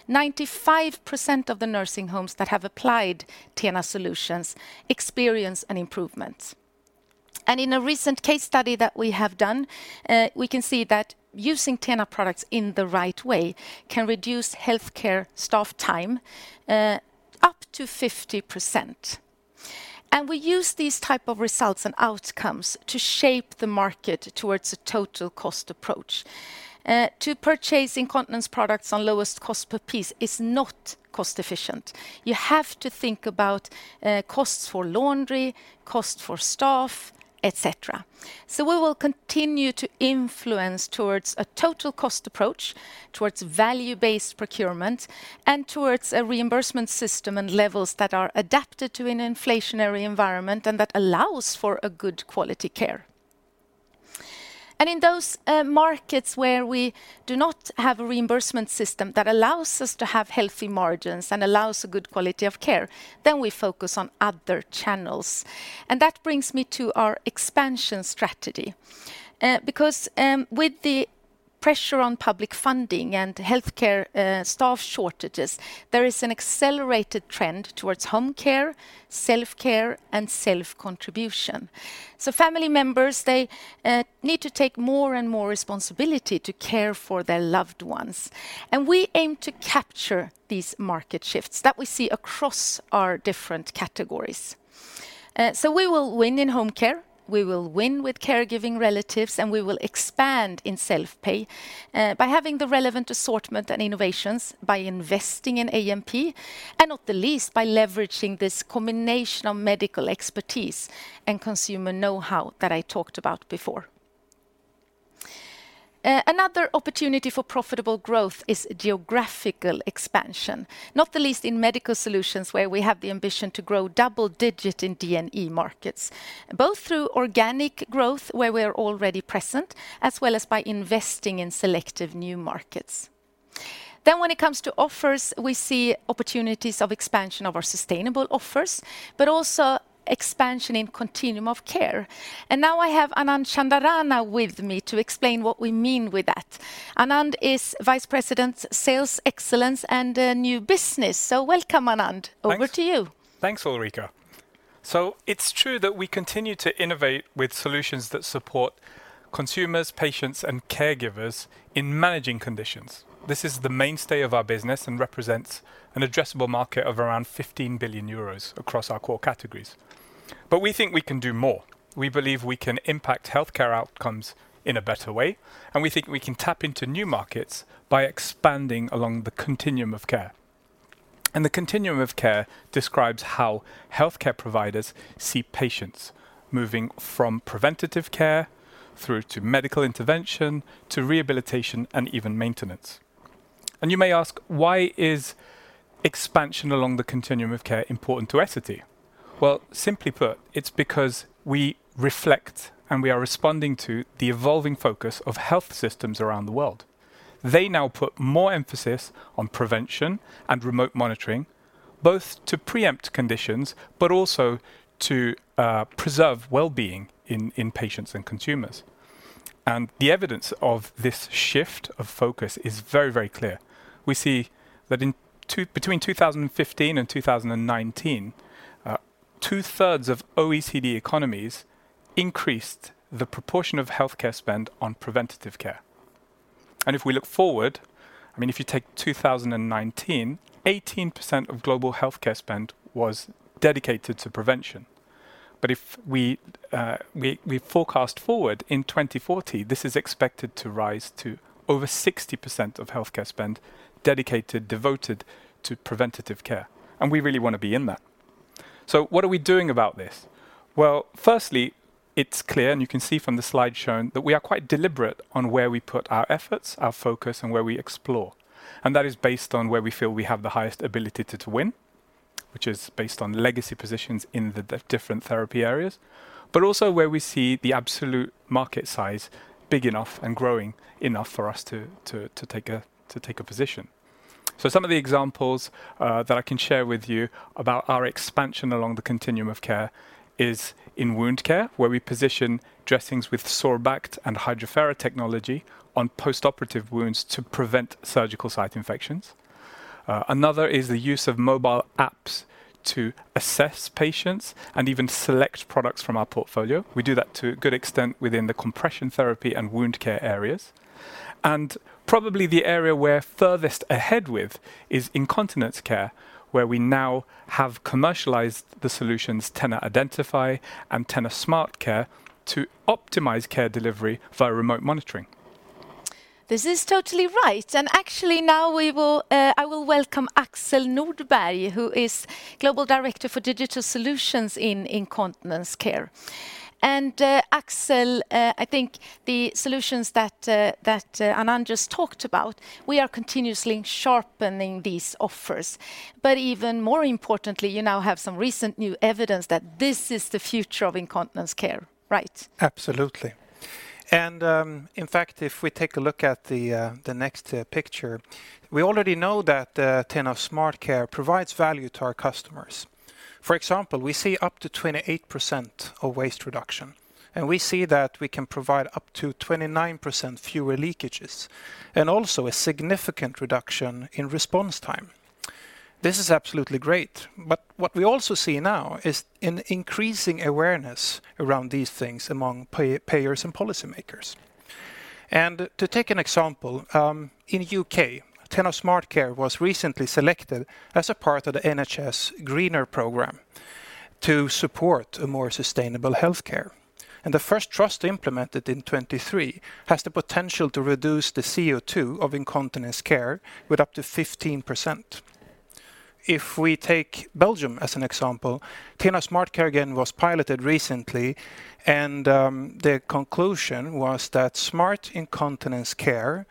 95% of the nursing homes that have applied TENA Solutions experience an improvement. In a recent case study that we have done, we can see that using TENA products in the right way can reduce healthcare staff time up to 50%. We use these type of results and outcomes to shape the market towards a total cost approach. To purchase incontinence products on lowest cost per piece is not cost efficient. You have to think about costs for laundry, cost for staff, et cetera. We will continue to influence towards a total cost approach, towards value-based procurement, and towards a reimbursement system and levels that are adapted to an inflationary environment and that allows for a good quality care. In those markets where we do not have a reimbursement system that allows us to have healthy margins and allows a good quality of care, we focus on other channels. That brings me to our expansion strategy because with the pressure on public funding and healthcare staff shortages, there is an accelerated trend towards home care, self-care, and self-contribution. Family members, they need to take more and more responsibility to care for their loved ones, and we aim to capture these market shifts that we see across our different categories. We will win in home care, we will win with caregiving relatives, and we will expand in self-pay by having the relevant assortment and innovations by investing in A&P, and not the least by leveraging this combination of medical expertise and consumer know-how that I talked about before. Another opportunity for profitable growth is geographical expansion. Not the least in Medical Solutions where we have the ambition to grow double-digit in D&E markets, both through organic growth where we're already present, as well as by investing in selective new markets. When it comes to offers, we see opportunities of expansion of our sustainable offers, but also expansion in continuum of care. Now I have Anand Chandarana with me to explain what we mean with that. Anand is Vice President, Sales Excellence and New Business. Welcome, Anand. Thanks. Over to you. Thanks, Ulrika. It's true that we continue to innovate with solutions that support consumers, patients, and caregivers in managing conditions. This is the mainstay of our business and represents an addressable market of around 15 billion euros across our core categories. We think we can do more. We believe we can impact healthcare outcomes in a better way, and we think we can tap into new markets by expanding along the continuum of care. The continuum of care describes how healthcare providers see patients moving from preventative care through to medical intervention to rehabilitation and even maintenance. You may ask, why is expansion along the continuum of care important to Essity? Well, simply put, it's because we reflect and we are responding to the evolving focus of health systems around the world. They now put more emphasis on prevention and remote monitoring, both to preempt conditions, but also to preserve well-being in patients and consumers. The evidence of this shift of focus is very, very clear. We see that between 2015 and 2019, 2/3 of OECD economies increased the proportion of healthcare spend on preventative care. If we look forward, I mean, if you take 2019, 18% of global healthcare spend was dedicated to prevention. If we forecast forward, in 2040, this is expected to rise to over 60% of healthcare spend dedicated, devoted to preventative care, and we really want to be in that. What are we doing about this? Well, firstly, it's clear, and you can see from the slide shown, that we are quite deliberate on where we put our efforts, our focus, and where we explore. That is based on where we feel we have the highest ability to win, which is based on legacy positions in the different therapy areas. Also where we see the absolute market size big enough and growing enough for us to take a position. Some of the examples that I can share with you about our expansion along the continuum of care is in Wound Care, where we position dressings with Sorbact and Hydrofera technology on postoperative wounds to prevent surgical site infections. Another is the use of mobile apps to assess patients and even select products from our portfolio. We do that to a good extent within the compression therapy and wound care areas. Probably the area we're furthest ahead with is incontinence care, where we now have commercialized the solutions TENA Identifi and TENA SmartCare to optimize care delivery via remote monitoring. This is totally right. Actually now we will, I will welcome Axel Nordberg, who is Global Director for Digital Solutions in Incontinence Care. Axel, I think the solutions that, Anand just talked about, we are continuously sharpening these offers. Even more importantly, you now have some recent new evidence that this is the future of Incontinence Care, right? Absolutely. In fact, if we take a look at the next picture, we already know that TENA SmartCare provides value to our customers. For example, we see up to 28% of waste reduction, and we see that we can provide up to 29% fewer leakages and also a significant reduction in response time. This is absolutely great, but what we also see now is an increasing awareness around these things among payers and policymakers. To take an example, in U.K., TENA SmartCare was recently selected as a part of the Greener NHS programme to support a more sustainable healthcare. The first trust implemented in 2023 has the potential to reduce the CO2 of incontinence care with up to 15%. If we take Belgium as an example, TENA SmartCare again was piloted recently and the conclusion was that smart incontinence care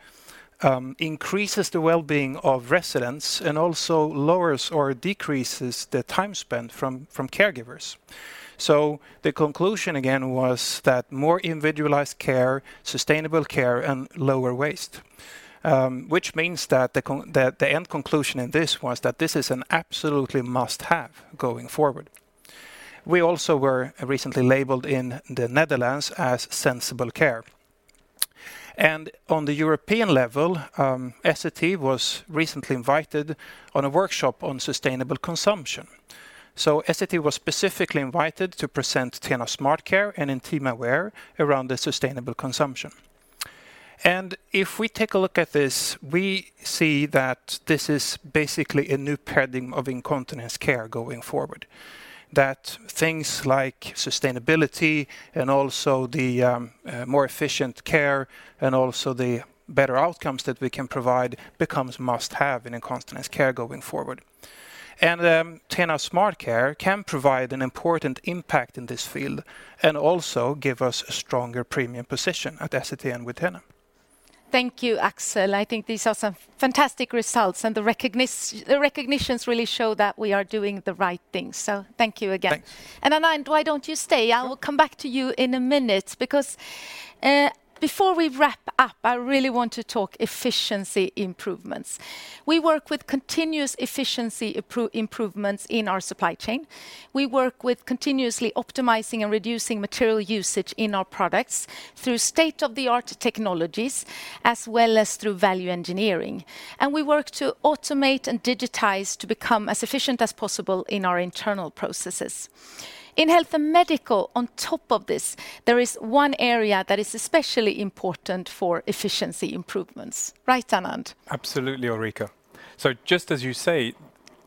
increases the well-being of residents and also lowers or decreases the time spent from caregivers. The conclusion again was that more individualized care, sustainable care, and lower waste, which means that the end conclusion in this was that this is an absolutely must-have going forward. We also were recently labeled in the Netherlands as sensible care. On the European level, Essity was recently invited on a workshop on sustainable consumption. Essity was specifically invited to present TENA SmartCare and TENA Wear around the sustainable consumption. If we take a look at this, we see that this is basically a new paradigm of incontinence care going forward. That things like sustainability and also the more efficient care and also the better outcomes that we can provide becomes must-have in incontinence care going forward. TENA SmartCare can provide an important impact in this field and also give us a stronger premium position at Essity and with TENA. Thank you, Axel. I think these are some fantastic results, and the recognitions really show that we are doing the right thing. Thank you again. Thanks. Anand, why don't you stay? Sure. I will come back to you in a minute because, before we wrap up, I really want to talk efficiency improvements. We work with continuous efficiency improvements in our supply chain. We work with continuously optimizing and reducing material usage in our products through state-of-the-art technologies, as well as through value engineering. We work to automate and digitize to become as efficient as possible in our internal processes. In Health & Medical, on top of this, there is one area that is especially important for efficiency improvements. Right, Anand? Absolutely, Ulrika. Just as you say.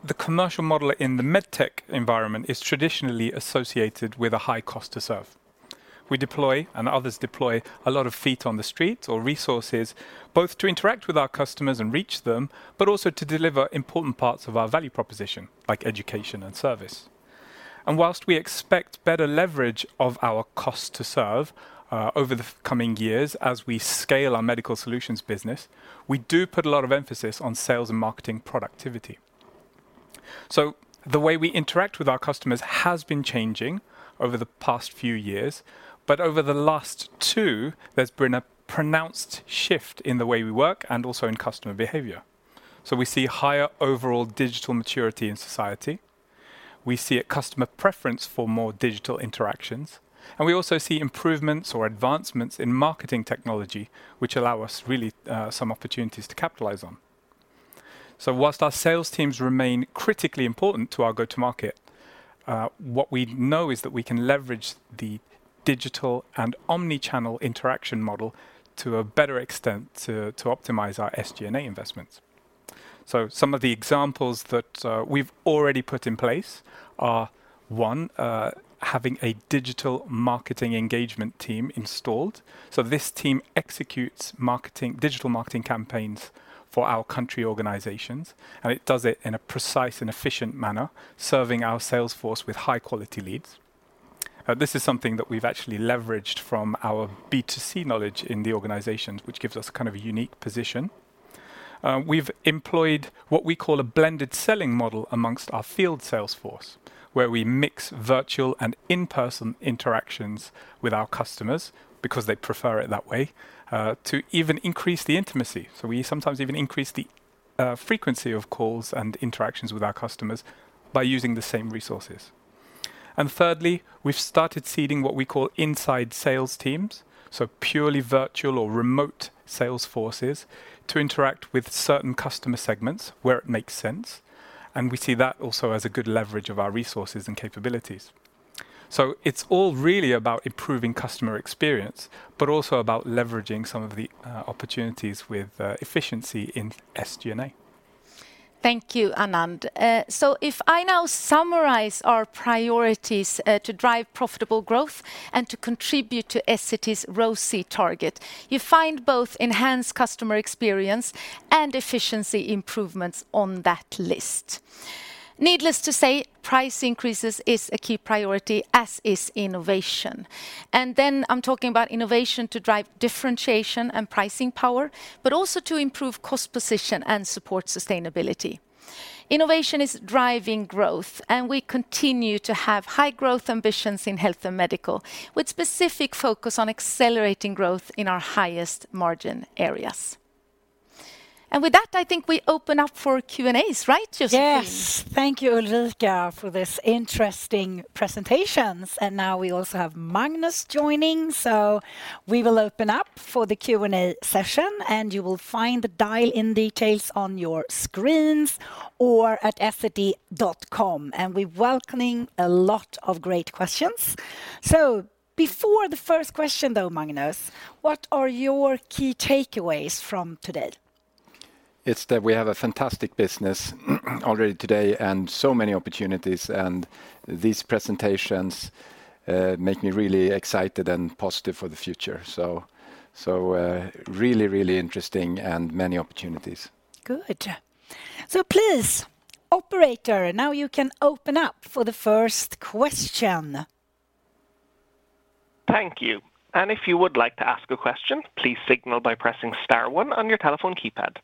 The commercial model in the med tech environment is traditionally associated with a high cost to serve. We deploy, and others deploy a lot of feet on the street or resources, both to interact with our customers and reach them, but also to deliver important parts of our value proposition, like education and service. While we expect better leverage of our cost to serve over the coming years as we scale our Medical Solutions business, we do put a lot of emphasis on sales and marketing productivity. The way we interact with our customers has been changing over the past few years, but over the last two, there's been a pronounced shift in the way we work and also in customer behavior. We see higher overall digital maturity in society. We see a customer preference for more digital interactions, we also see improvements or advancements in marketing technology, which allow us really some opportunities to capitalize on. Whilst our sales teams remain critically important to our go-to market, what we know is that we can leverage the digital and omnichannel interaction model to a better extent to optimize our SG&A investments. Some of the examples that we've already put in place are, one, having a digital marketing engagement team installed. This team executes digital marketing campaigns for our country organizations, and it does it in a precise and efficient manner, serving our sales force with high quality leads. This is something that we've actually leveraged from our B2C knowledge in the organizations, which gives us kind of a unique position. We've employed what we call a blended selling model amongst our field sales force, where we mix virtual and in-person interactions with our customers because they prefer it that way, to even increase the intimacy. We sometimes even increase the frequency of calls and interactions with our customers by using the same resources. Thirdly, we've started seeding what we call inside sales teams, so purely virtual or remote sales forces to interact with certain customer segments where it makes sense, and we see that also as a good leverage of our resources and capabilities. It's all really about improving customer experience, but also about leveraging some of the opportunities with efficiency in SG&A. Thank you, Anand. If I now summarize our priorities to drive profitable growth and to contribute to Essity's ROCE target, you find both enhanced customer experience and efficiency improvements on that list. Needless to say, price increases is a key priority, as is innovation. I'm talking about innovation to drive differentiation and pricing power, but also to improve cost position and support sustainability. Innovation is driving growth. We continue to have high growth ambitions in Health & Medical, with specific focus on accelerating growth in our highest margin areas. With that, I think we open up for Q&As, right, Joséphine? Yes. Thank you, Ulrika, for this interesting presentations. Now we also have Magnus joining, so we will open up for the Q&A session, and you will find the dial-in details on your screens or at essity.com. We're welcoming a lot of great questions. Before the first question, though, Magnus, what are your key takeaways from today? It's that we have a fantastic business already today and so many opportunities, and these presentations make me really excited and positive for the future. Really, really interesting and many opportunities. Good. Please, Operator, now you can open up for the first question. Thank you. If you would like to ask a question, please signal by pressing star one on your telephone keypad.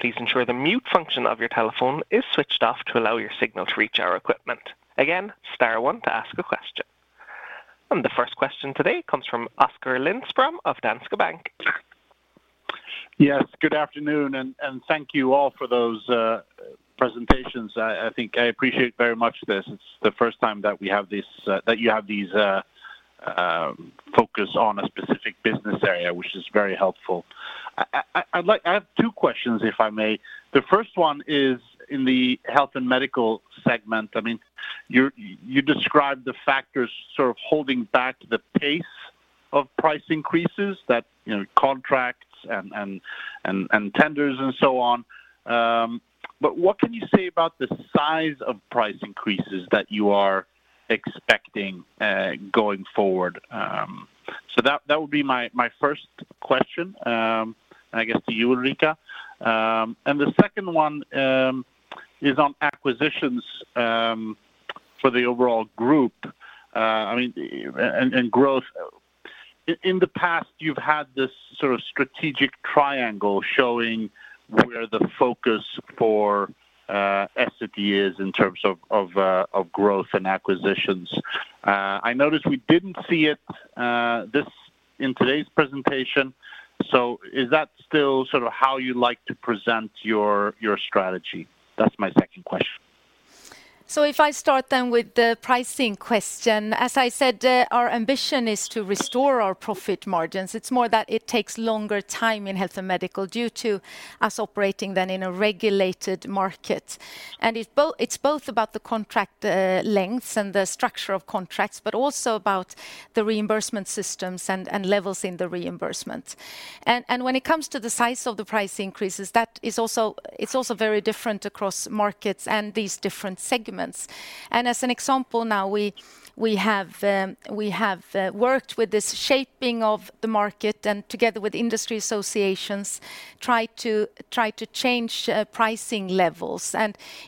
Please ensure the mute function of your telephone is switched off to allow your signal to reach our equipment. Again, star one to ask a question. The first question today comes from Oskar Lindström of Danske Bank. Yes, good afternoon, and thank you all for those presentations. I think I appreciate very much this. It's the first time that we have this, that you have these focus on a specific business area, which is very helpful. I have two questions, if I may. The first one is in the Health & Medical segment. I mean, you described the factors sort of holding back the pace of price increases that, you know, contracts and tenders and so on. What can you say about the size of price increases that you are expecting going forward? That would be my first question, I guess to you, Ulrika. The second one is on acquisitions for the overall group. I mean, and growth. In the past, you've had this sort of strategic triangle showing where the focus for Essity is in terms of growth and acquisitions. I noticed we didn't see it in today's presentation. Is that still sort of how you like to present your strategy? That's my second question. If I start with the pricing question. As I said, our ambition is to restore our profit margins. It's more that it takes longer time in Health & Medical due to us operating in a regulated market. It's both about the contract lengths and the structure of contracts, but also about the reimbursement systems and levels in the reimbursement. When it comes to the size of the price increases, it's also very different across markets and these different segments. As an example now, we have worked with this shaping of the market and together with industry associations, try to change pricing levels.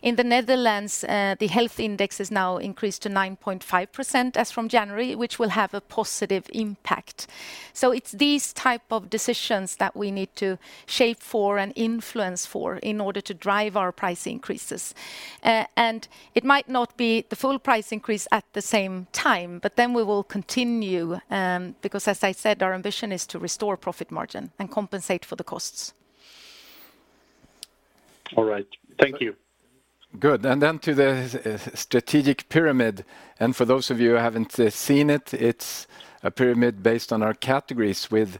In the Netherlands, the health index has now increased to 9.5% as from January, which will have a positive impact. It's these type of decisions that we need to shape for and influence for in order to drive our price increases. It might not be the full price increase at the same time, but then we will continue, because as I said, our ambition is to restore profit margin and compensate for the costs. All right. Thank you. Good. To the strategic pyramid, for those of you who haven't seen it's a pyramid based on our categories with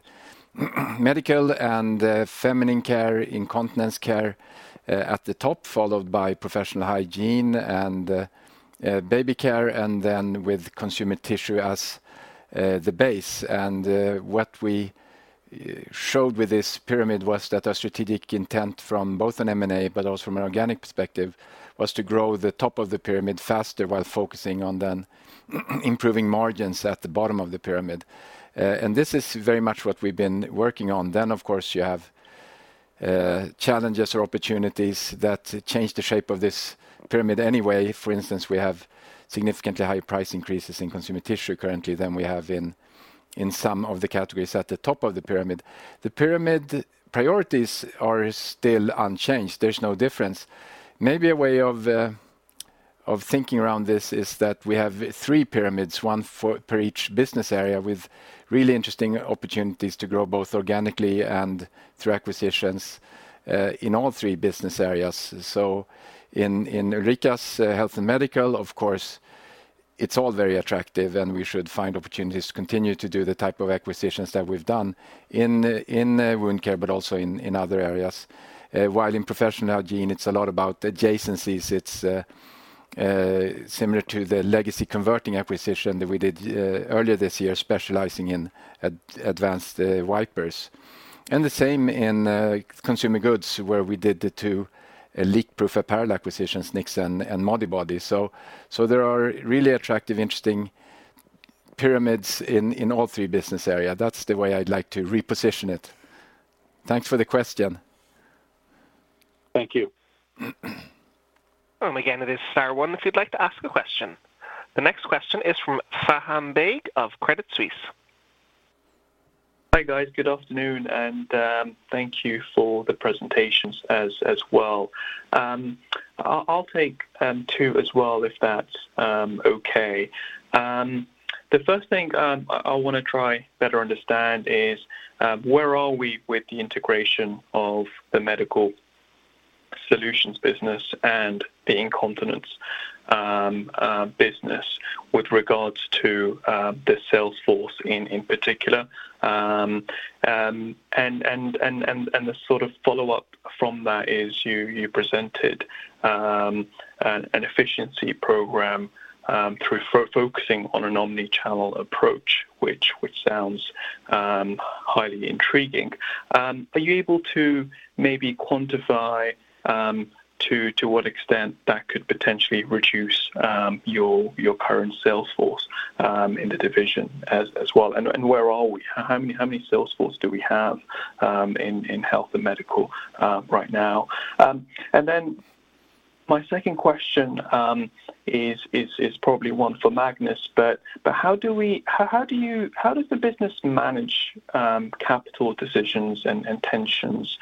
Medical and Feminine Care, Incontinence Care at the top, followed by Professional Hygiene and Baby Care, with Consumer Tissue as the base. What we showed with this pyramid was that our strategic intent from both an M&A, but also from an organic perspective, was to grow the top of the pyramid faster while focusing on then improving margins at the bottom of the pyramid. This is very much what we've been working on. Of course, you have challenges or opportunities that change the shape of this pyramid anyway. For instance, we have significantly higher price increases in Consumer Tissue currently than we have in some of the categories at the top of the pyramid. The pyramid priorities are still unchanged. There's no difference. Maybe a way of thinking around this is that we have three pyramids, per each business area with really interesting opportunities to grow both organically and through acquisitions in all three business areas. So in Ulrika's Health & Medical, of course, it's all very attractive, and we should find opportunities to continue to do the type of acquisitions that we've done in Wound Care, but also in other areas. While in Professional Hygiene, it's a lot about the adjacencies. It's similar to the Legacy Converting acquisition that we did earlier this year, specializing in advanced wipers. The same in Consumer Goods, where we did the two leak-proof apparel acquisitions, Knix and Modibodi. There are really attractive, interesting pyramids in all three business area. That's the way I'd like to reposition it. Thanks for the question. Thank you. Again, it is star one if you'd like to ask a question. The next question is from Faham Baig of Credit Suisse. Hi, guys. Good afternoon, and thank you for the presentations as well. I'll take two as well, if that's okay. The first thing I want to try better understand is where are we with the integration of the Medical Solutions business and the Incontinence business with regards to the sales force in particular? The sort of follow-up from that is you presented an efficiency program through focusing on an omnichannel approach, which sounds highly intriguing. Are you able to maybe quantify to what extent that could potentially reduce your current sales force in the division as well? Where are we? How many sales force do we have in Health & Medical right now? Then my second question is probably one for Magnus, but how does the business manage capital decisions and tensions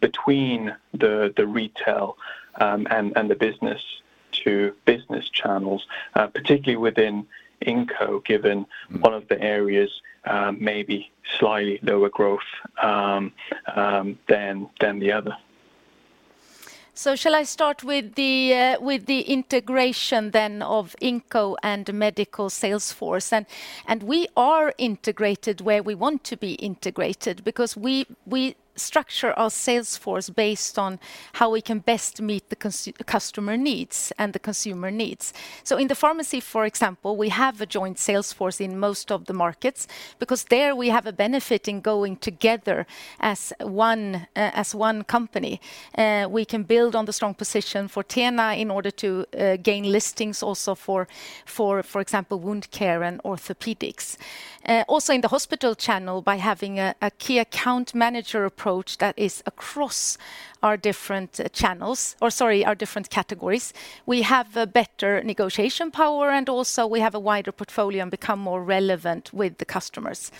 between the retail and the business-to-business channels, particularly within Inco, given one of the areas may be slightly lower growth than the other? Shall I start with the integration then of Inco and medical sales force? We are integrated where we want to be integrated because we structure our sales force based on how we can best meet the customer needs and the consumer needs. In the pharmacy, for example, we have a joint sales force in most of the markets because there we have a benefit in going together as one, as one company. We can build on the strong position for TENA in order to gain listings also for example, Wound Care and Orthopedics. Also in the hospital channel, by having a key account manager approach that is across our different channels, or sorry, our different categories, we have a better negotiation power, and also we have a wider portfolio and become more relevant with the customers.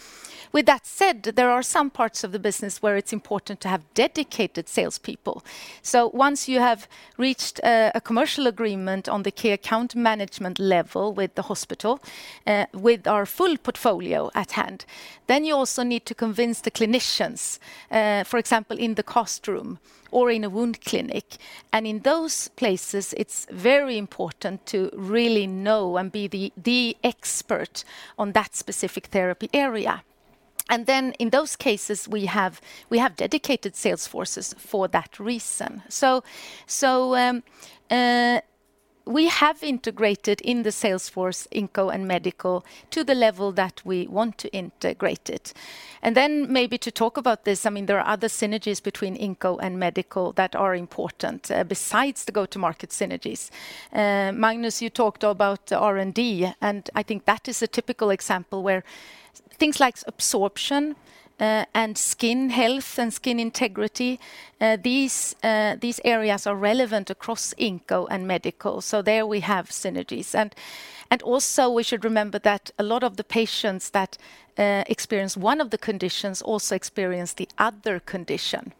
With that said, there are some parts of the business where it's important to have dedicated sales people. Once you have reached a commercial agreement on the key account management level with the hospital, with our full portfolio at hand, you also need to convince the clinicians, for example, in the cast room or in a wound clinic. In those places, it's very important to really know and be the expert on that specific therapy area. In those cases, we have dedicated sales forces for that reason. We have integrated in the sales force Inco and Medical to the level that we want to integrate it. Maybe to talk about this, I mean, there are other synergies between Inco and Medical that are important besides the go-to-market synergies. Magnus, you talked about R&D, and I think that is a typical example where things like absorption, and skin health and skin integrity, these areas are relevant across Inco and Medical, there we have synergies. Also we should remember that a lot of the patients that experience one of the conditions also experience the other condition.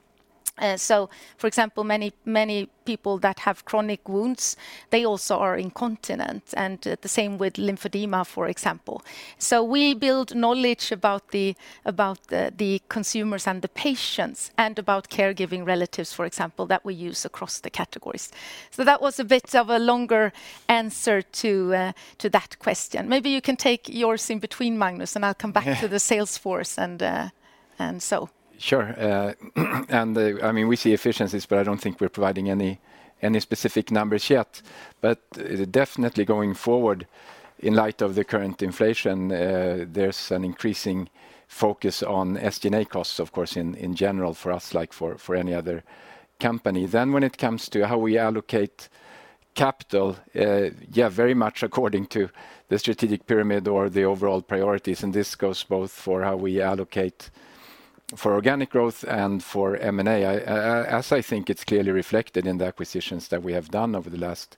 For example, many people that have chronic wounds, they also are incontinent, and the same with lymphedema, for example. We build knowledge about the consumers and the patients and about caregiving relatives, for example, that we use across the categories. That was a bit of a longer answer to that question. Maybe you can take yours in between, Magnus, and I'll come back- Yeah... to the sales force and so. Sure. I mean, we see efficiencies, but I don't think we're providing any specific numbers yet. Definitely going forward in light of the current inflation, there's an increasing focus on SG&A costs of course in general for us, like for any other company. When it comes to how we allocate capital, very much according to the strategic pyramid or the overall priorities, and this goes both for how we allocate for organic growth and for M&A. As I think it's clearly reflected in the acquisitions that we have done over the last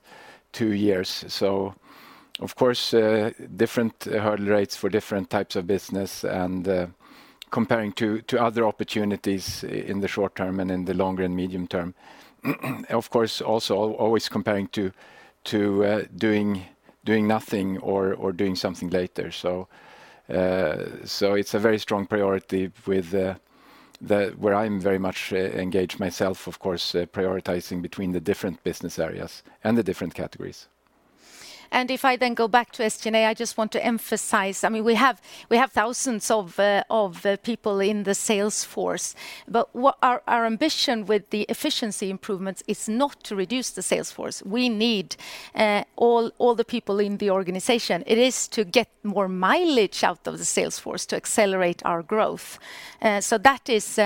two years. Of course, different hurdle rates for different types of business and comparing to other opportunities in the short term and in the longer and medium term. Of course, also always comparing to doing nothing or doing something later. It's a very strong priority with where I'm very much engaged myself, of course, prioritizing between the different business areas and the different categories. If I then go back to SG&A, I just want to emphasize, I mean, we have thousands of people in the sales force. What our ambition with the efficiency improvements is not to reduce the sales force. We need all the people in the organization. It is to get more mileage out of the sales force to accelerate our growth. That is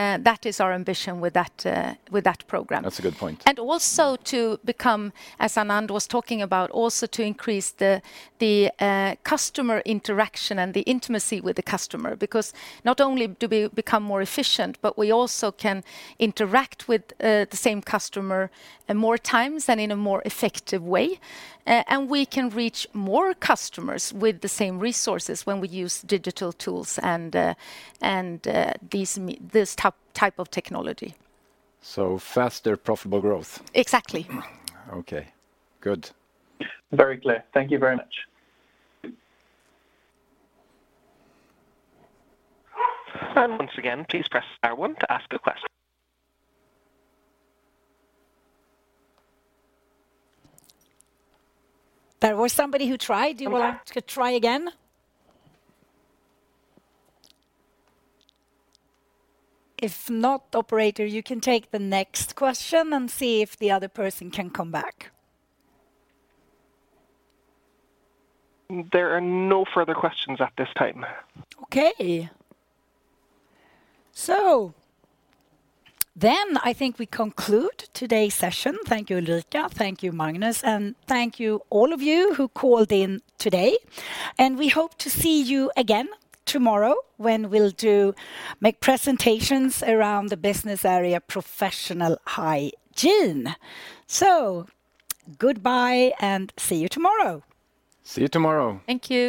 our ambition with that program. That's a good point. Also to become, as Anand was talking about, also to increase the customer interaction and the intimacy with the customer. Not only do we become more efficient, but we also can interact with the same customer more times and in a more effective way. We can reach more customers with the same resources when we use digital tools and this type of technology. Faster profitable growth. Exactly. Okay. Good. Very clear. Thank you very much. Once again, please press star one to ask a question. There was somebody who tried. Do you want to try again? If not, Operator, you can take the next question and see if the other person can come back. There are no further questions at this time. Okay. I think we conclude today's session. Thank you, Ulrika. Thank you, Magnus. Thank you, all of you, who called in today. We hope to see you again tomorrow when we'll make presentations around the business area Professional Hygiene. Goodbye and see you tomorrow. See you tomorrow. Thank you.